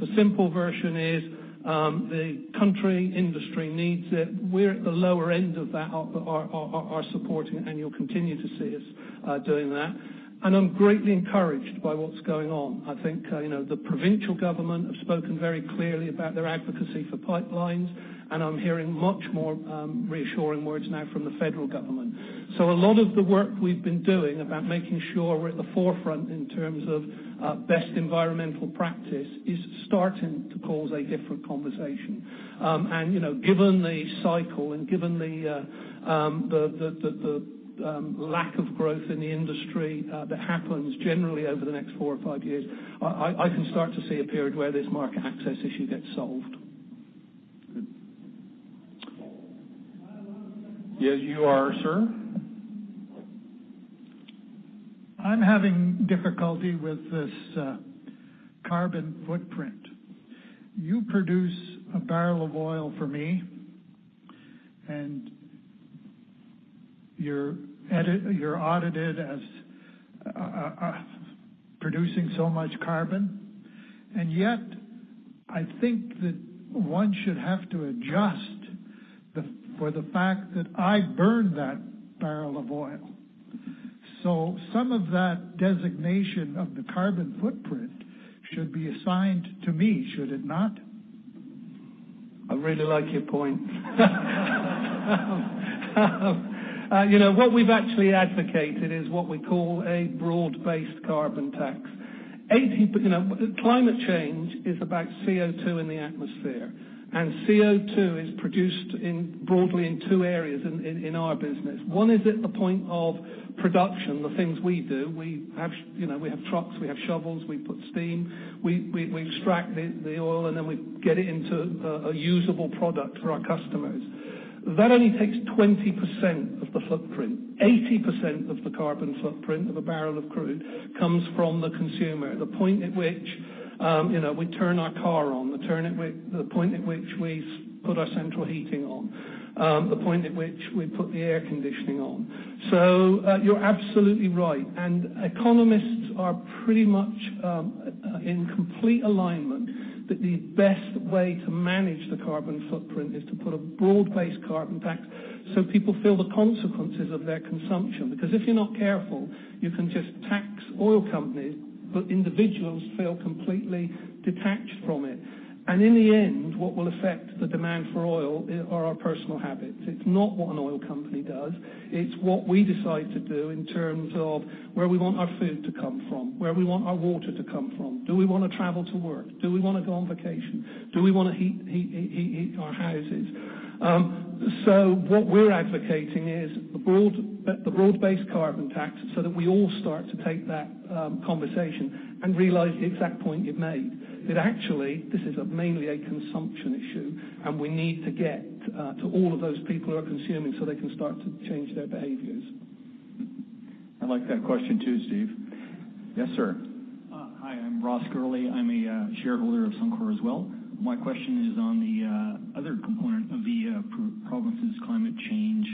Speaker 11: The simple version is, the country, industry needs it. We're at the lower end of that, are supporting, and you'll continue to see us doing that. I'm greatly encouraged by what's going on. I think the provincial government have spoken very clearly about their advocacy for pipelines, and I'm hearing much more reassuring words now from the federal government. A lot of the work we've been doing about making sure we're at the forefront in terms of best environmental practice is starting to cause a different conversation. Given the cycle and given the lack of growth in the industry that happens generally over the next four or five years, I can start to see a period where this market access issue gets solved.
Speaker 1: Yes, you are, sir.
Speaker 15: I'm having difficulty with this carbon footprint. You produce a barrel of oil for me, and you're audited as producing so much carbon, and yet I think that one should have to adjust for the fact that I burn that barrel of oil. Some of that designation of the carbon footprint should be assigned to me, should it not?
Speaker 11: I really like your point. What we've actually advocated is what we call a broad-based carbon tax. Climate change is about CO2 in the atmosphere, and CO2 is produced broadly in two areas in our business. One is at the point of production, the things we do. We have trucks, we have shovels, we put steam, we extract the oil, and then we get it into a usable product for our customers. That only takes 20% of the footprint. 80% of the carbon footprint of a barrel of crude comes from the consumer, the point at which we turn our car on, the point at which we put our central heating on, the point at which we put the air conditioning on. You're absolutely right. Economists are pretty much in complete alignment that the best way to manage the carbon footprint is to put a broad-based carbon tax so people feel the consequences of their consumption. Because if you're not careful, you can just tax oil companies. Individuals feel completely detached from it. In the end, what will affect the demand for oil are our personal habits. It's not what an oil company does, it's what we decide to do in terms of where we want our food to come from, where we want our water to come from. Do we want to travel to work? Do we want to go on vacation? Do we want to heat our houses? What we're advocating is a broad-based carbon tax so that we all start to take that conversation and realize the exact point you've made. This is mainly a consumption issue, and we need to get to all of those people who are consuming so they can start to change their behaviors.
Speaker 1: I like that question too, Steve. Yes, sir.
Speaker 17: Hi, I'm Ross Gurley. I'm a shareholder of Suncor as well. My question is on the other component of the province's climate change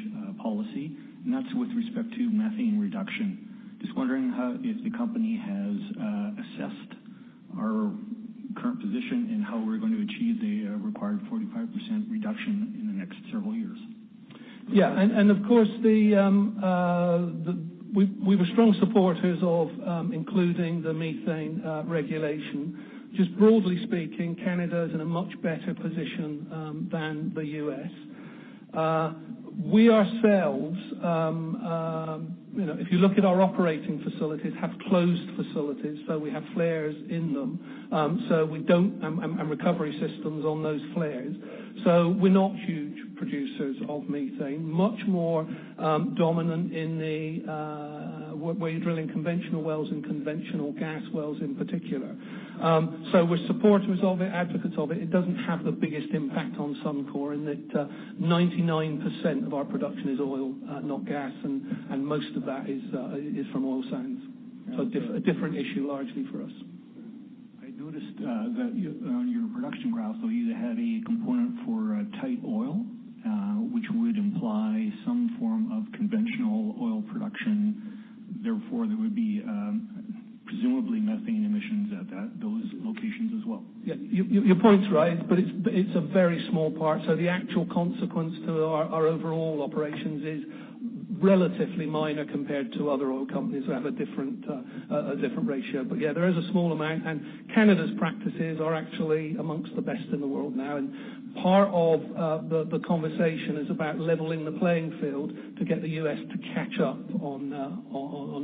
Speaker 17: policy, and that's with respect to methane reduction. Just wondering if the company has assessed our current position in how we're going to achieve a required 45% reduction in the next several years.
Speaker 11: Yeah. Of course, we were strong supporters of including the methane regulation. Just broadly speaking, Canada is in a much better position than the U.S. We ourselves, if you look at our operating facilities, have closed facilities, though we have flares in them. Recovery systems on those flares. We're not huge producers of methane. Much more dominant where you're drilling conventional wells and conventional gas wells in particular. We're supporters of it, advocates of it. It doesn't have the biggest impact on Suncor in that 99% of our production is oil, not gas, and most of that is from oil sands. A different issue largely for us.
Speaker 17: I noticed that on your production graph though, you have a component for tight oil, which would imply some form of conventional oil production, therefore, there would be presumably methane emissions at those locations as well.
Speaker 11: Yeah. Your point's right. It's a very small part. The actual consequence to our overall operations is relatively minor compared to other oil companies that have a different ratio. Yeah, there is a small amount, Canada's practices are actually amongst the best in the world now. Part of the conversation is about leveling the playing field to get the U.S. to catch up on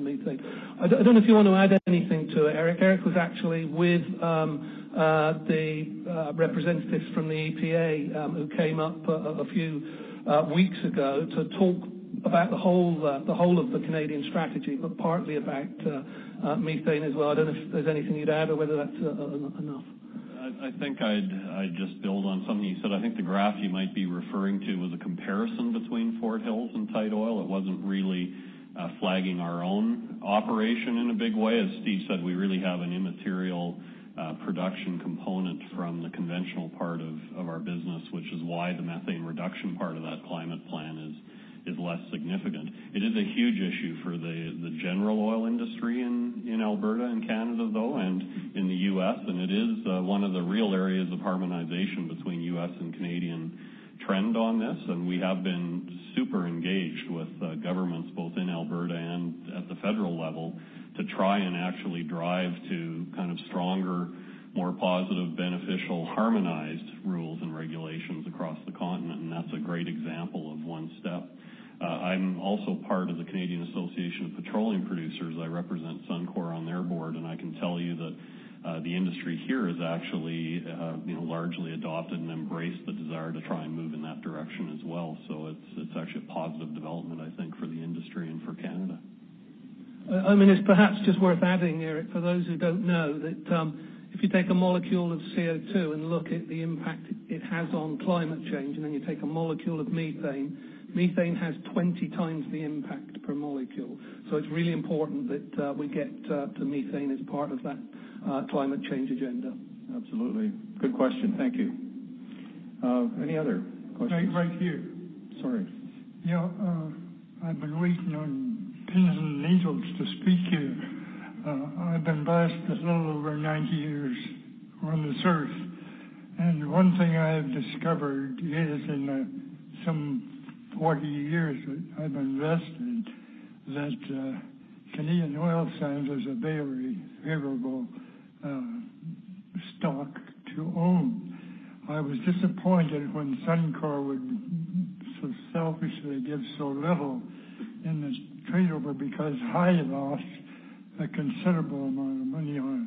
Speaker 11: methane. I don't know if you want to add anything to it, Eric. Eric was actually with the representatives from the EPA, who came up a few weeks ago to talk about the whole of the Canadian strategy, but partly about methane as well. I don't know if there's anything you'd add or whether that's enough.
Speaker 18: I think I'd just build on something you said. I think the graph you might be referring to was a comparison between Fort Hills and tight oil. It wasn't really flagging our own operation in a big way. As Steve said, we really have an immaterial production component from the conventional part of our business, which is why the methane reduction part of that Climate Plan is less significant. It is a huge issue for the general oil industry in Alberta and Canada, though, and in the U.S. It is one of the real areas of harmonization between U.S. and Canadian trend on this. We have been super engaged with governments both in Alberta and at the federal level to try and actually drive to stronger, more positive, beneficial, harmonized rules and regulations across the continent. That's a great example of one step. I'm also part of the Canadian Association of Petroleum Producers. I represent Suncor on their board and I can tell you that the industry here has actually largely adopted and embraced the desire to try and move in that direction as well. It's actually a positive development I think for the industry and for Canada.
Speaker 11: It's perhaps just worth adding, Eric, for those who don't know, that if you take a molecule of CO2 and look at the impact it has on climate change, and then you take a molecule of methane has 20 times the impact per molecule. It's really important that we get to methane as part of that climate change agenda.
Speaker 1: Absolutely. Good question. Thank you. Any other questions?
Speaker 3: Right here.
Speaker 18: Sorry.
Speaker 3: Yeah. I've been waiting on pins and needles to speak here. I've been blessed with a little over 90 years on this earth. One thing I have discovered is in some 40 years that I've invested, that Canadian Oil Sands is a very favorable stock to own. I was disappointed when Suncor would so selfishly give so little in this trade-over because I lost a considerable amount of money on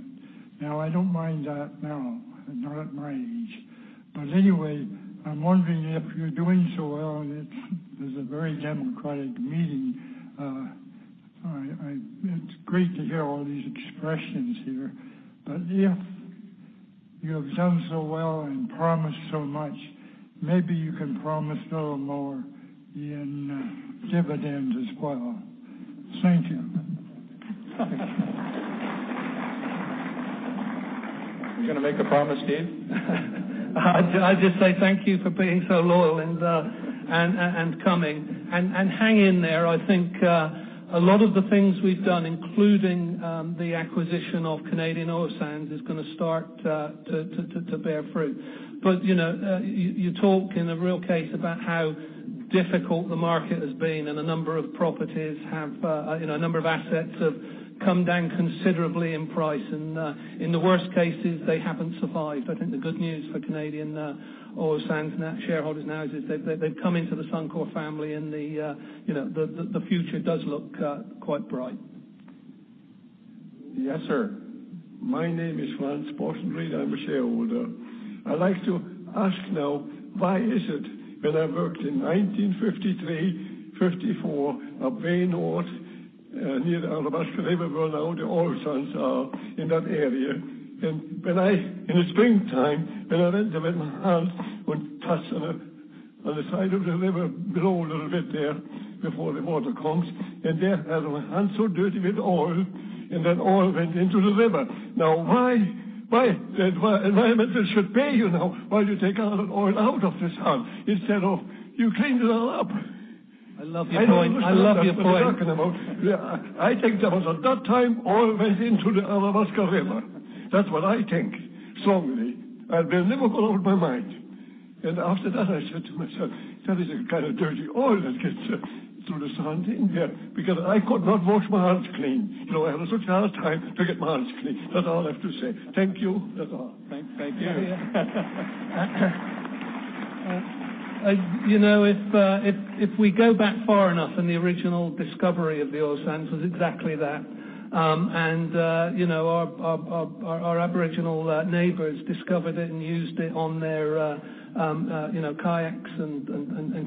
Speaker 3: it. Now, I don't mind that now, not at my age. Anyway, I'm wondering if you're doing so well, and it is a very democratic meeting. It's great to hear all these expressions here. If you have done so well and promised so much, maybe you can promise a little more in dividends as well. Thank you.
Speaker 1: You going to make a promise, Steve?
Speaker 11: I'd just say thank you for being so loyal and coming. Hang in there. I think a lot of the things we've done, including the acquisition of Canadian Oil Sands, is going to start to bear fruit. You talk in a real case about how difficult the market has been and a number of assets have come down considerably in price. In the worst cases, they haven't survived. I think the good news for Canadian Oil Sands shareholders now is that they've come into the Suncor family and the future does look quite bright.
Speaker 19: Yes, sir. My name is Franz Portenbreen. I'm a shareholder. I'd like to ask now, why is it when I worked in 1953, 1954, up north, near the Athabasca River, where now the oil sands are in that area. When in the springtime, when I went there, my hands would touch on the side of the river below a little bit there before the water comes, and there I had my hands so dirty with oil, and that oil went into the river. Why environmental should pay you now while you take all the oil out of the sand, instead of you cleaned it all up.
Speaker 11: I love your point.
Speaker 19: I know you must understand what I'm talking about. I think that was at that time, oil went into the Athabasca River. That's what I think, strongly. Will never go out of my mind. After that, I said to myself, "That is a kind of dirty oil that gets through the sand in here." Because I could not wash my hands clean. I had such a hard time to get my hands clean. That's all I have to say. Thank you. That's all.
Speaker 11: Thank you. If we go back far enough in the original discovery of the oil sands was exactly that. Our Aboriginal neighbors discovered it and used it on their kayaks and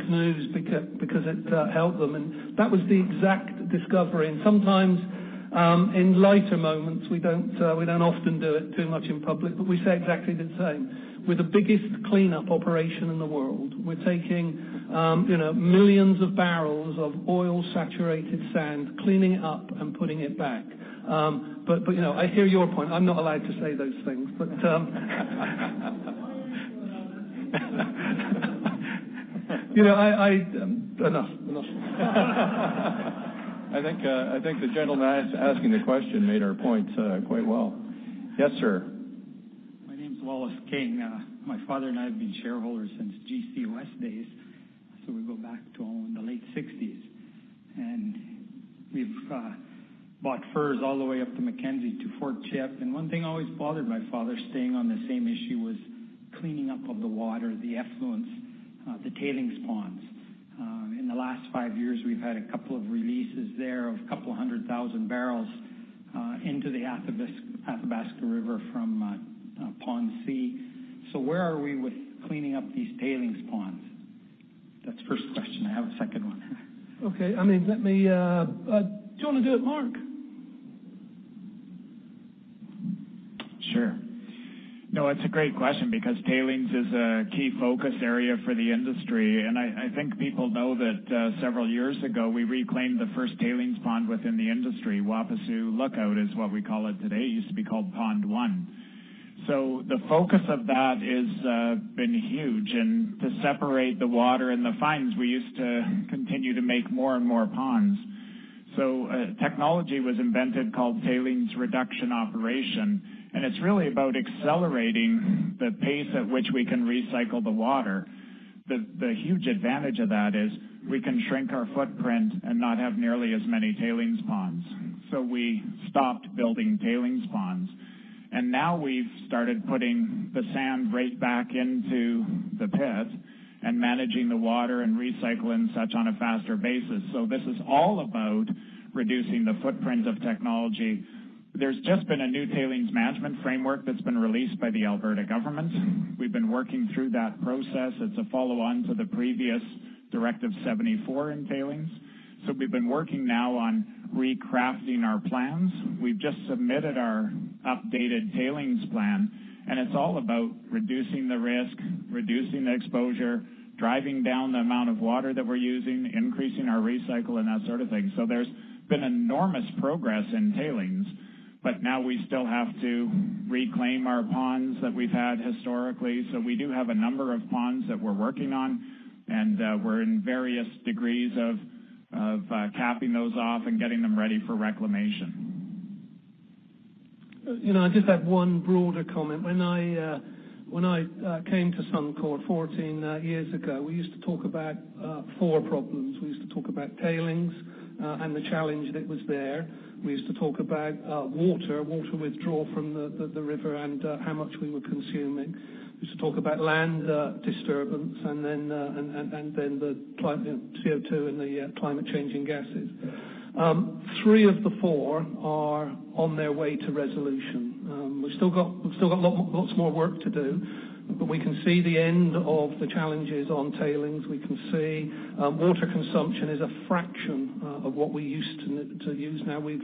Speaker 11: canoes because it helped them, that was the exact discovery. Sometimes, in lighter moments, we don't often do it too much in public, we say exactly the same. We're the biggest cleanup operation in the world. We're taking millions of barrels of oil-saturated sand, cleaning it up and putting it back. I hear your point. I'm not allowed to say those things, Enough.
Speaker 1: I think the gentleman asking the question made our point quite well. Yes, sir.
Speaker 20: My name's Wallace King. My father and I have been shareholders since GCOS days, so we go back to the late '60s. We've bought furs all the way up to Mackenzie to Fort Chip. One thing always bothered my father, staying on the same issue, was cleaning up of the water, the effluents, the tailings ponds. In the last five years, we've had a couple of releases there of a couple of hundred thousand barrels into the Athabasca River from Pond C. Where are we with cleaning up these tailings ponds? That's the first question. I have a second one.
Speaker 11: Okay. Do you want to do it, Mark?
Speaker 16: It's a great question because tailings is a key focus area for the industry. I think people know that several years ago, we reclaimed the first tailings pond within the industry. Wapisiw Lookout is what we call it today. It used to be called Pond One. The focus of that has been huge. To separate the water and the fines, we used to continue to make more and more ponds. Technology was invented called Tailings Reduction Operations, it's really about accelerating the pace at which we can recycle the water. The huge advantage of that is we can shrink our footprint and not have nearly as many tailings ponds. We stopped building tailings ponds, now we've started putting the sand right back into the pit and managing the water and recycling such on a faster basis. This is all about reducing the footprint of technology. There's just been a new tailings management framework that's been released by the Alberta Government. We've been working through that process. It's a follow-on to the previous Directive 074 in tailings. We've been working now on recrafting our plans. We've just submitted our updated tailings plan, it's all about reducing the risk, reducing the exposure, driving down the amount of water that we're using, increasing our recycle, that sort of thing. There's been enormous progress in tailings, now we still have to reclaim our ponds that we've had historically. We do have a number of ponds that we're working on, we're in various degrees of capping those off and getting them ready for reclamation.
Speaker 11: I just have one broader comment. When I came to Suncor 14 years ago, we used to talk about four problems. We used to talk about tailings, the challenge that was there. We used to talk about water withdrawal from the river and how much we were consuming. We used to talk about land disturbance then the CO2 and the climate-changing gases. Three of the four are on their way to resolution. We've still got lots more work to do, we can see the end of the challenges on tailings. We can see water consumption is a fraction of what we used to use. Now we've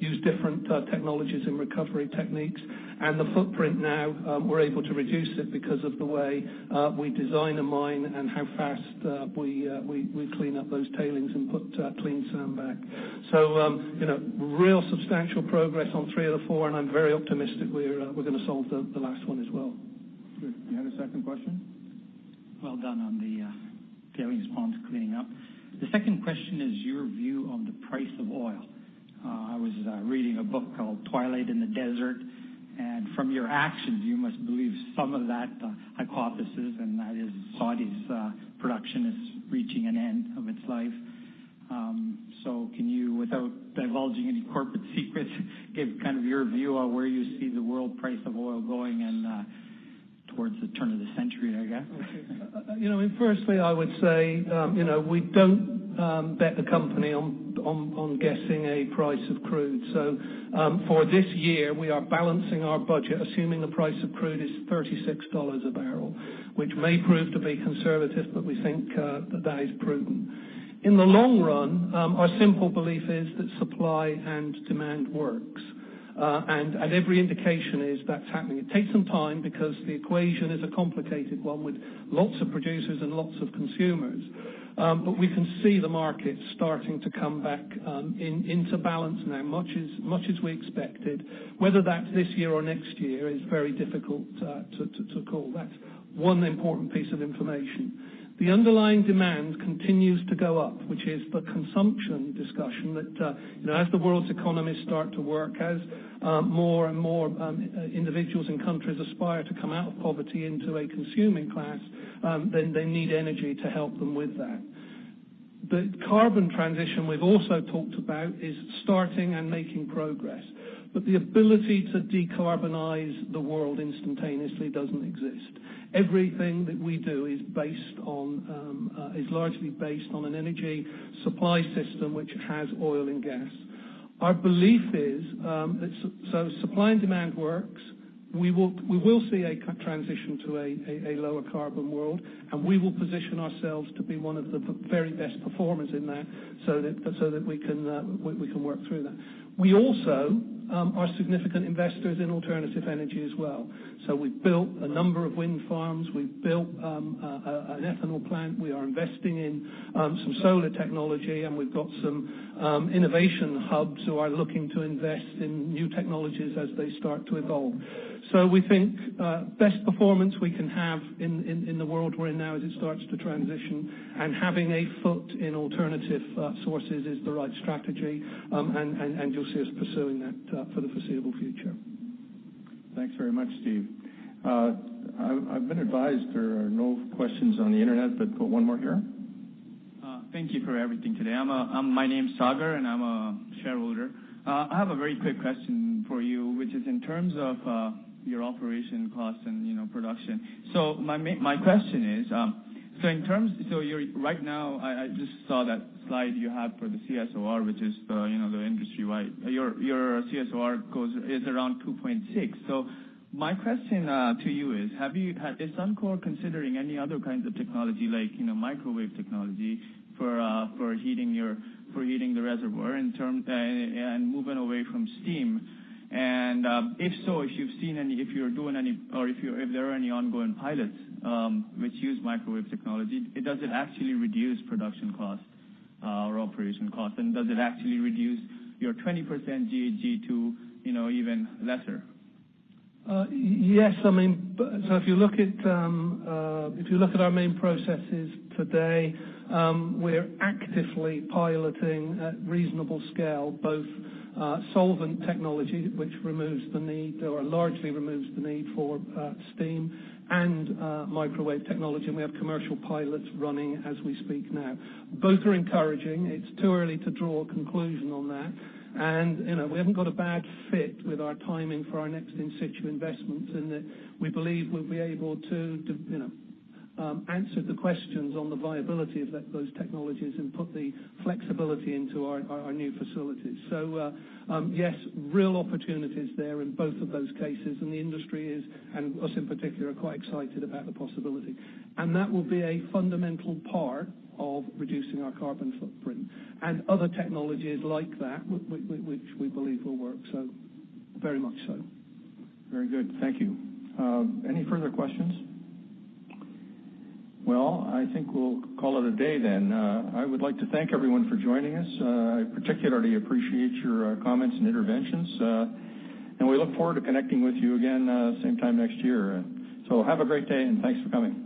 Speaker 11: used different technologies and recovery techniques, the footprint now, we're able to reduce it because of the way we design a mine and how fast we clean up those tailings and put clean sand back. Real substantial progress on three of the four, and I'm very optimistic we're going to solve the last one as well.
Speaker 1: Good. You had a second question?
Speaker 20: Well done on the tailings ponds cleaning up. The second question is your view on the price of oil. I was reading a book called "Twilight in the Desert," and from your actions, you must believe some of that hypothesis, and that is Saudi's production is reaching an end of its life. Can you, without divulging any corporate secrets, give your view on where you see the world price of oil going.
Speaker 11: Towards the turn of the century, I guess.
Speaker 1: Okay.
Speaker 11: Firstly, I would say, we don't bet the company on guessing a price of crude. For this year, we are balancing our budget, assuming the price of crude is 36 dollars a barrel, which may prove to be conservative, but we think that is prudent. In the long run, our simple belief is that supply and demand works. Every indication is that's happening. It takes some time because the equation is a complicated one with lots of producers and lots of consumers. We can see the market starting to come back into balance now, much as we expected, whether that's this year or next year is very difficult to call. That's one important piece of information. The underlying demand continues to go up, which is the consumption discussion that, as the world's economies start to work, as more and more individuals and countries aspire to come out of poverty into a consuming class, then they need energy to help them with that. The carbon transition we've also talked about is starting and making progress, but the ability to decarbonize the world instantaneously doesn't exist. Everything that we do is largely based on an energy supply system which has oil and gas. Our belief is, supply and demand works. We will see a transition to a lower carbon world, and we will position ourselves to be one of the very best performers in that so that we can work through that. We also are significant investors in alternative energy as well. We've built a number of wind farms. We've built an ethanol plant. We are investing in some solar technology, and we've got some innovation hubs who are looking to invest in new technologies as they start to evolve. We think best performance we can have in the world we're in now as it starts to transition, and having a foot in alternative sources is the right strategy. You'll see us pursuing that for the foreseeable future.
Speaker 1: Thanks very much, Steve. I've been advised there are no questions on the Internet, but got one more here.
Speaker 21: Thank you for everything today. My name's Sagar, and I'm a shareholder. I have a very quick question for you, which is in terms of your operation costs and production. My question is, right now, I just saw that slide you had for the CSOR, which is the industry-wide. Your CSOR is around 2.6. My question to you is Suncor considering any other kinds of technology like microwave technology for heating the reservoir and moving away from steam? If so, if you're doing any or if there are any ongoing pilots which use microwave technology, does it actually reduce production cost or operation cost? Does it actually reduce your 20% GHG to even lesser?
Speaker 11: Yes. If you look at our main processes today, we're actively piloting at reasonable scale, both solvent technology, which removes the need or largely removes the need for steam, and microwave technology. We have commercial pilots running as we speak now. Both are encouraging. It's too early to draw a conclusion on that. We haven't got a bad fit with our timing for our next in-situ investments in that we believe we'll be able to answer the questions on the viability of those technologies and put the flexibility into our new facilities. Yes, real opportunities there in both of those cases, and the industry is, and us in particular, are quite excited about the possibility. That will be a fundamental part of reducing our carbon footprint. Other technologies like that, which we believe will work, very much so.
Speaker 1: Very good. Thank you. Any further questions? I think we'll call it a day then. I would like to thank everyone for joining us. I particularly appreciate your comments and interventions. We look forward to connecting with you again same time next year. Have a great day, and thanks for coming.